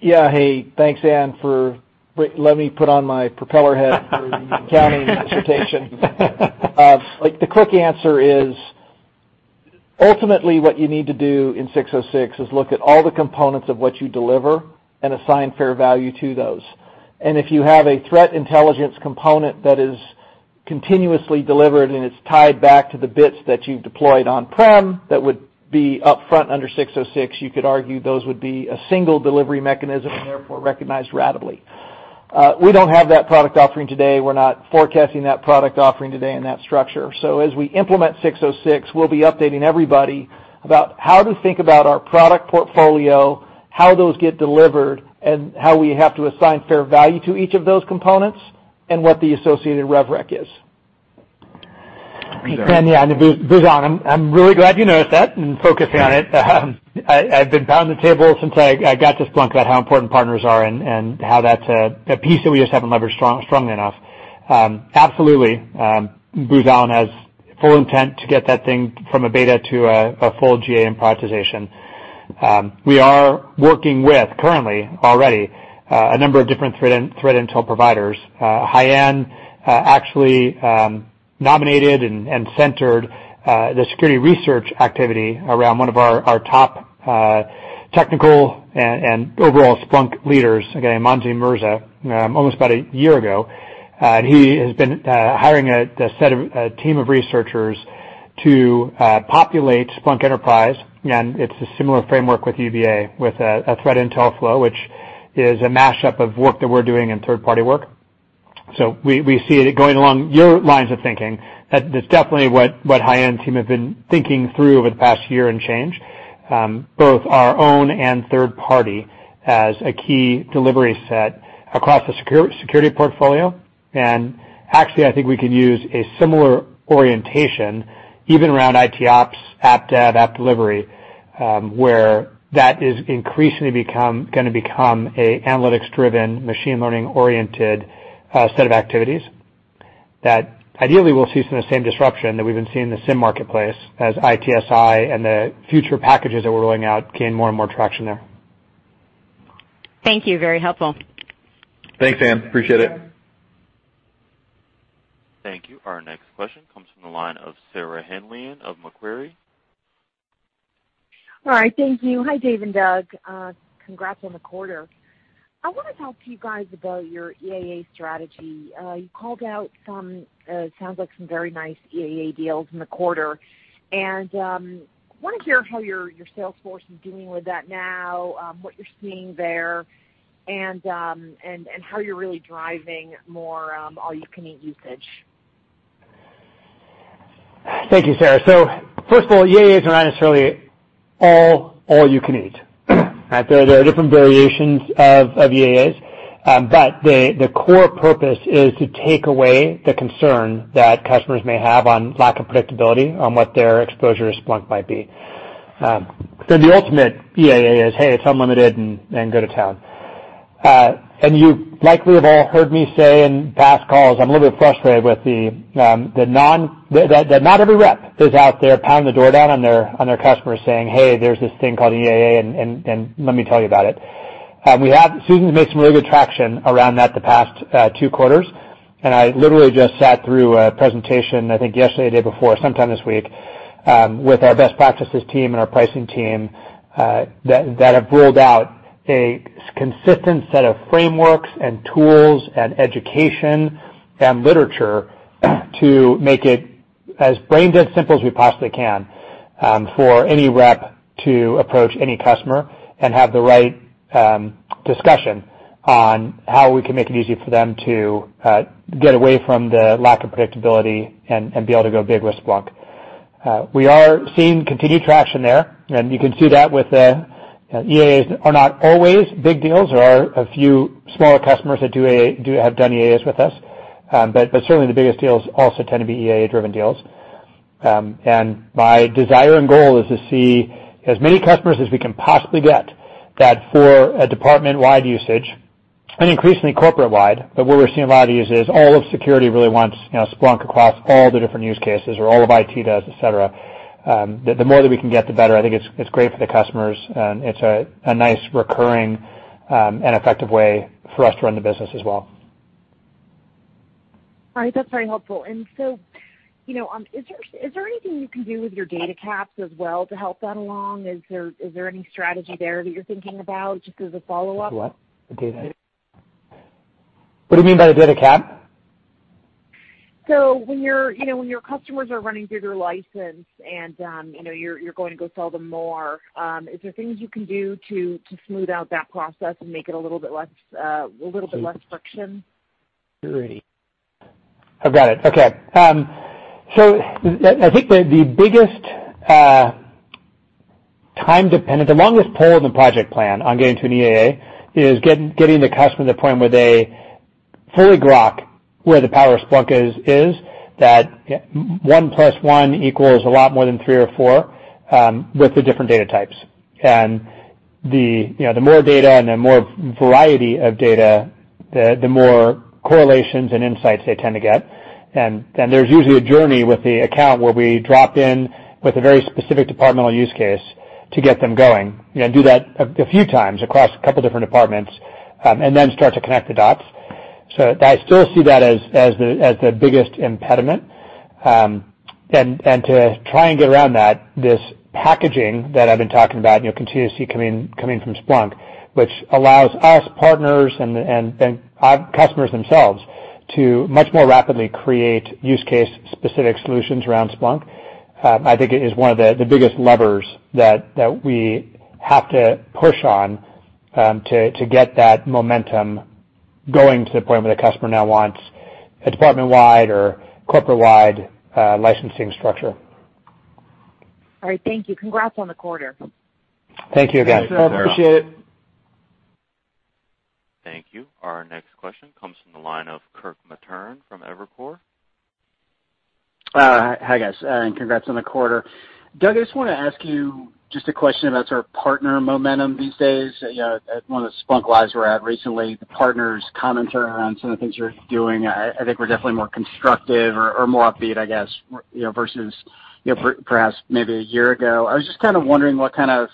Hey, thanks, Anne, for letting me put on my propeller hat for accounting dissertation. The quick answer is, ultimately what you need to do in 606 is look at all the components of what you deliver and assign fair value to those. If you have a threat intelligence component that is continuously delivered and it's tied back to the bits that you've deployed on-prem, that would be up front under 606, you could argue those would be a single delivery mechanism and therefore recognized ratably. We don't have that product offering today. We're not forecasting that product offering today in that structure. As we implement 606, we'll be updating everybody about how to think about our product portfolio, how those get delivered, and how we have to assign fair value to each of those components, and what the associated rev rec is. Anne, Booz Allen, I'm really glad you noticed that and focusing on it. I've been pounding the table since I got to Splunk about how important partners are and how that's a piece that we just haven't leveraged strongly enough. Absolutely, Booz Allen has full intent to get that thing from a beta to a full GA and prioritization. We are working with currently already a number of different threat intel providers. Haiyan actually nominated and centered the security research activity around one of our top technical and overall Splunk leaders, a guy, Monzy Merza, almost about a year ago. He has been hiring a team of researchers to populate Splunk Enterprise, and it's a similar framework with UBA, with a threat intel flow, which is a mashup of work that we're doing and third-party work. We see it going along your lines of thinking. That's definitely what Haiyan team have been thinking through over the past year and change, both our own and third party, as a key delivery set across the security portfolio. Actually, I think we could use a similar orientation even around ITOps, app dev, app delivery, where that is increasingly going to become an analytics-driven, machine learning-oriented set of activities. That ideally, we'll see some of the same disruption that we've been seeing in the SIEM marketplace as ITSI and the future packages that we're rolling out gain more and more traction there. Thank you. Very helpful. Thanks, Pam. Appreciate it. Thank you. Our next question comes from the line of Sarah Hindlian of Macquarie. All right. Thank you. Hi, Dave and Doug. Congrats on the quarter. I want to talk to you guys about your EAA strategy. You called out sounds like some very nice EAA deals in the quarter. I want to hear how your sales force is doing with that now, what you're seeing there, and how you're really driving more all-you-can-eat usage. Thank you, Sarah. First of all, EAAs are not necessarily all you can eat. There are different variations of EAAs. The core purpose is to take away the concern that customers may have on lack of predictability on what their exposure to Splunk might be. The ultimate EAA is, hey, it's unlimited and go to town. You likely have all heard me say in past calls, I'm a little bit frustrated with that not every rep is out there pounding the door down on their customers saying, "Hey, there's this thing called EAA, and let me tell you about it." Susan's made some really good traction around that the past two quarters, I literally just sat through a presentation, I think yesterday, the day before, sometime this week, with our best practices team and our pricing team, that have boiled out a consistent set of frameworks and tools and education and literature to make it as brain-dead simple as we possibly can for any rep to approach any customer and have the right discussion on how we can make it easy for them to get away from the lack of predictability and be able to go big with Splunk. We are seeing continued traction there. You can see that with the EAAs are not always big deals. There are a few smaller customers that have done EAAs with us. Certainly, the biggest deals also tend to be EAA-driven deals. My desire and goal is to see as many customers as we can possibly get that for a department-wide usage, and increasingly corporate-wide, but where we're seeing a lot of use is all of security really wants Splunk across all the different use cases or all of IT does, et cetera. The more that we can get, the better. I think it's great for the customers. It's a nice recurring and effective way for us to run the business as well. All right. That's very helpful. Is there anything you can do with your data caps as well to help that along? Is there any strategy there that you're thinking about just as a follow-up? What? What do you mean by the data cap? When your customers are running through their license and you're going to go sell them more, are there things you can do to smooth out that process and make it a little bit less friction? I've got it. Okay. I think the biggest time dependent, the longest pole in the project plan on getting to an EAA is getting the customer to the point where they fully grok where the power of Splunk is, that one plus one equals a lot more than three or four with the different data types. The more data and the more variety of data, the more correlations and insights they tend to get. There's usually a journey with the account where we drop in with a very specific departmental use case to get them going and do that a few times across a couple of different departments, and then start to connect the dots. I still see that as the biggest impediment. To try and get around that, this packaging that I've been talking about, you'll continue to see coming from Splunk, which allows us partners and customers themselves to much more rapidly create use case specific solutions around Splunk, I think is one of the biggest levers that we have to push on to get that momentum going to the point where the customer now wants a department-wide or corporate-wide licensing structure. All right. Thank you. Congrats on the quarter. Thank you again. Sure, Sarah. Appreciate it. Thank you. Our next question comes from the line of Kirk Materne from Evercore. Hi, guys, congrats on the quarter. Doug, I just want to ask you just a question about sort of partner momentum these days. At one of the SplunkLive!s we're at recently, the partners' comments around some of the things you're doing, I think were definitely more constructive or more upbeat, I guess, versus perhaps maybe a year ago. I was just kind of wondering what kind of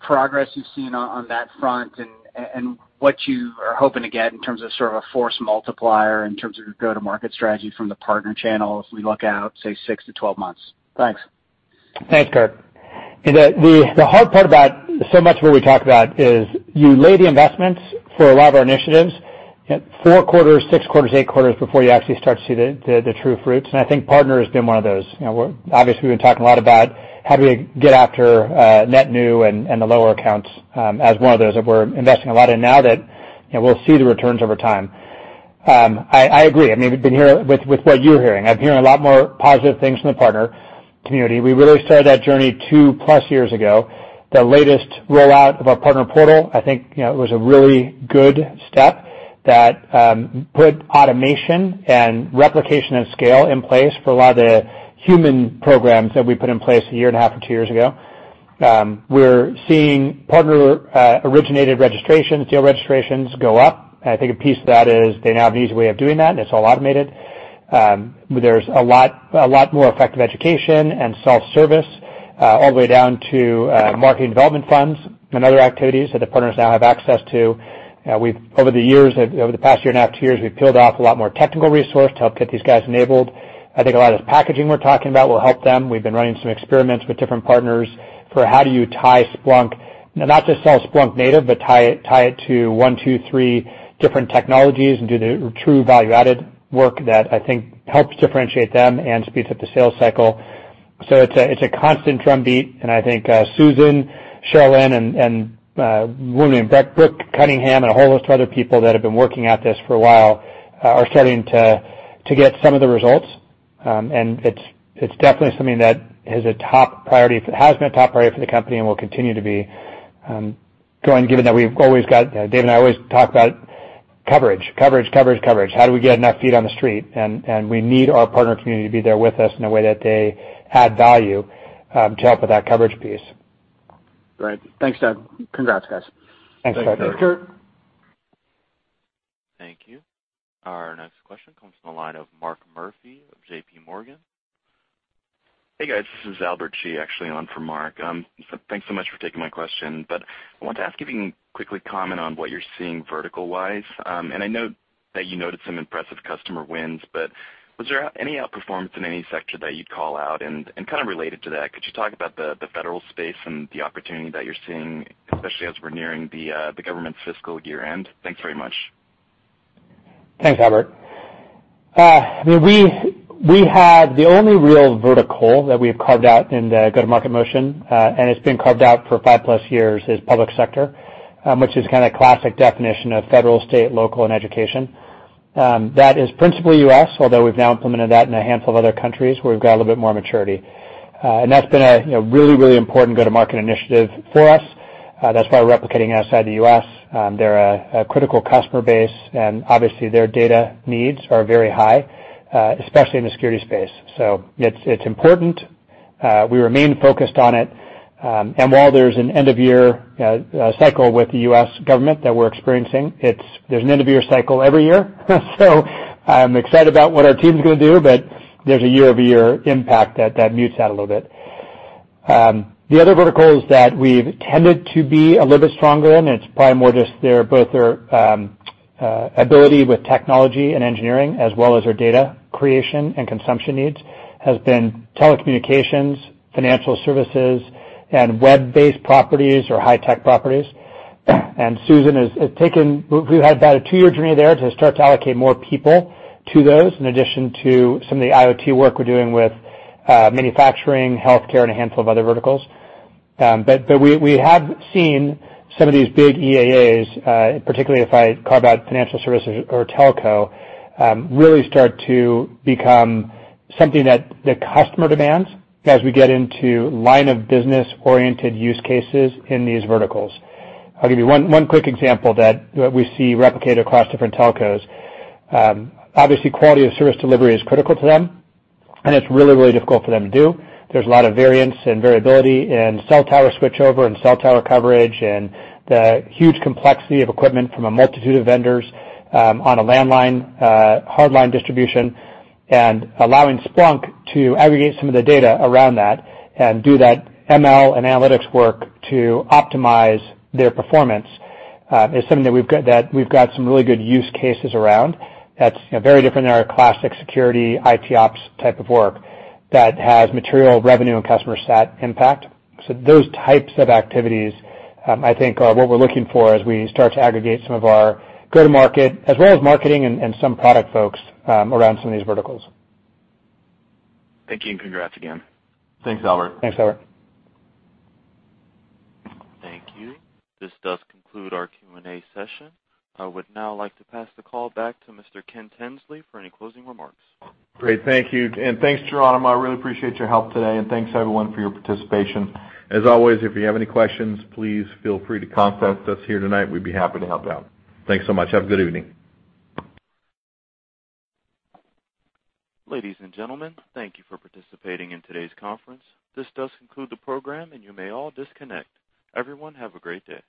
progress you've seen on that front and what you are hoping to get in terms of sort of a force multiplier in terms of your go-to-market strategy from the partner channel as we look out, say, six to 12 months. Thanks. Thanks, Kirk. The hard part about so much of what we talk about is you lay the investments for a lot of our initiatives four quarters, six quarters, eight quarters before you actually start to see the true fruits. I think partner has been one of those. Obviously, we've been talking a lot about how do we get after net new and the lower accounts as one of those that we're investing a lot in now that we'll see the returns over time. I agree. With what you're hearing, I'm hearing a lot more positive things from the partner community. We really started that journey two-plus years ago. The latest rollout of our partner portal, I think, was a really good step that put automation and replication and scale in place for a lot of the human programs that we put in place a year and a half or two years ago. We're seeing partner-originated registrations, deal registrations go up. I think a piece of that is they now have an easy way of doing that, and it's all automated. There's a lot more effective education and self-service all the way down to marketing development funds and other activities that the partners now have access to. Over the past year and a half, two years, we've peeled off a lot more technical resource to help get these guys enabled. I think a lot of this packaging we're talking about will help them. We've been running some experiments with different partners for how do you tie Splunk, not just sell Splunk native, but tie it to one, two, three different technologies and do the true value-added work that I think helps differentiate them and speeds up the sales cycle. It's a constant drumbeat, and I think Susan, Cheryln Chin, and Brooke Cunningham, and a whole host of other people that have been working at this for a while are starting to get some of the results. And it's definitely something that has been a top priority for the company and will continue to be, given that Dave and I always talk about coverage. How do we get enough feet on the street? And we need our partner community to be there with us in a way that they add value to help with that coverage piece. Great. Thanks, Doug. Congrats, guys. Thanks, Kirk. Thank you. Our next question comes from the line of Mark Murphy of JP Morgan. Hey, guys. This is Albert Chi actually on for Mark. Thanks so much for taking my question. I wanted to ask if you can quickly comment on what you're seeing vertical-wise. I know that you noted some impressive customer wins, but was there any outperformance in any sector that you'd call out? Kind of related to that, could you talk about the federal space and the opportunity that you're seeing, especially as we're nearing the government's fiscal year-end? Thanks very much. Thanks, Albert. The only real vertical that we have carved out in the go-to-market motion, it's been carved out for five-plus years, is public sector, which is kind of classic definition of federal, state, local, and education. That is principally U.S., although we've now implemented that in a handful of other countries where we've got a little bit more maturity. That's been a really important go-to-market initiative for us. That's why we're replicating outside the U.S. They're a critical customer base, obviously their data needs are very high, especially in the security space. It's important. We remain focused on it. While there's an end-of-year cycle with the U.S. government that we're experiencing, there's an end-of-year cycle every year. I'm excited about what our team's going to do, but there's a year-over-year impact that mutes that a little bit. The other verticals that we've tended to be a little bit stronger in, it's probably more just both their ability with technology and engineering as well as their data creation and consumption needs, has been telecommunications, financial services, and web-based properties or high-tech properties. Susan has taken. We've had about a two-year journey there to start to allocate more people to those, in addition to some of the IoT work we're doing with manufacturing, healthcare, and a handful of other verticals. We have seen some of these big EAAs, particularly if I carve out financial services or telco, really start to become something that the customer demands as we get into line of business-oriented use cases in these verticals. I'll give you one quick example that we see replicated across different telcos. Obviously, quality of service delivery is critical to them, it's really difficult for them to do. There's a lot of variance and variability in cell tower switchover and cell tower coverage and the huge complexity of equipment from a multitude of vendors on a landline, hardline distribution. Allowing Splunk to aggregate some of the data around that and do that ML and analytics work to optimize their performance is something that we've got some really good use cases around that's very different than our classic security, IT ops type of work that has material revenue and customer sat impact. Those types of activities, I think, are what we're looking for as we start to aggregate some of our go-to-market, as well as marketing and some product folks around some of these verticals. Thank you, and congrats again. Thanks, Albert. Thanks, Albert. Thank you. This does conclude our Q&A session. I would now like to pass the call back to Mr. Ken Tinsley for any closing remarks. Great. Thank you. Thanks, Geronimo. I really appreciate your help today, and thanks, everyone, for your participation. As always, if you have any questions, please feel free to contact us here tonight. We'd be happy to help out. Thanks so much. Have a good evening. Ladies and gentlemen, thank you for participating in today's conference. This does conclude the program, and you may all disconnect. Everyone, have a great day.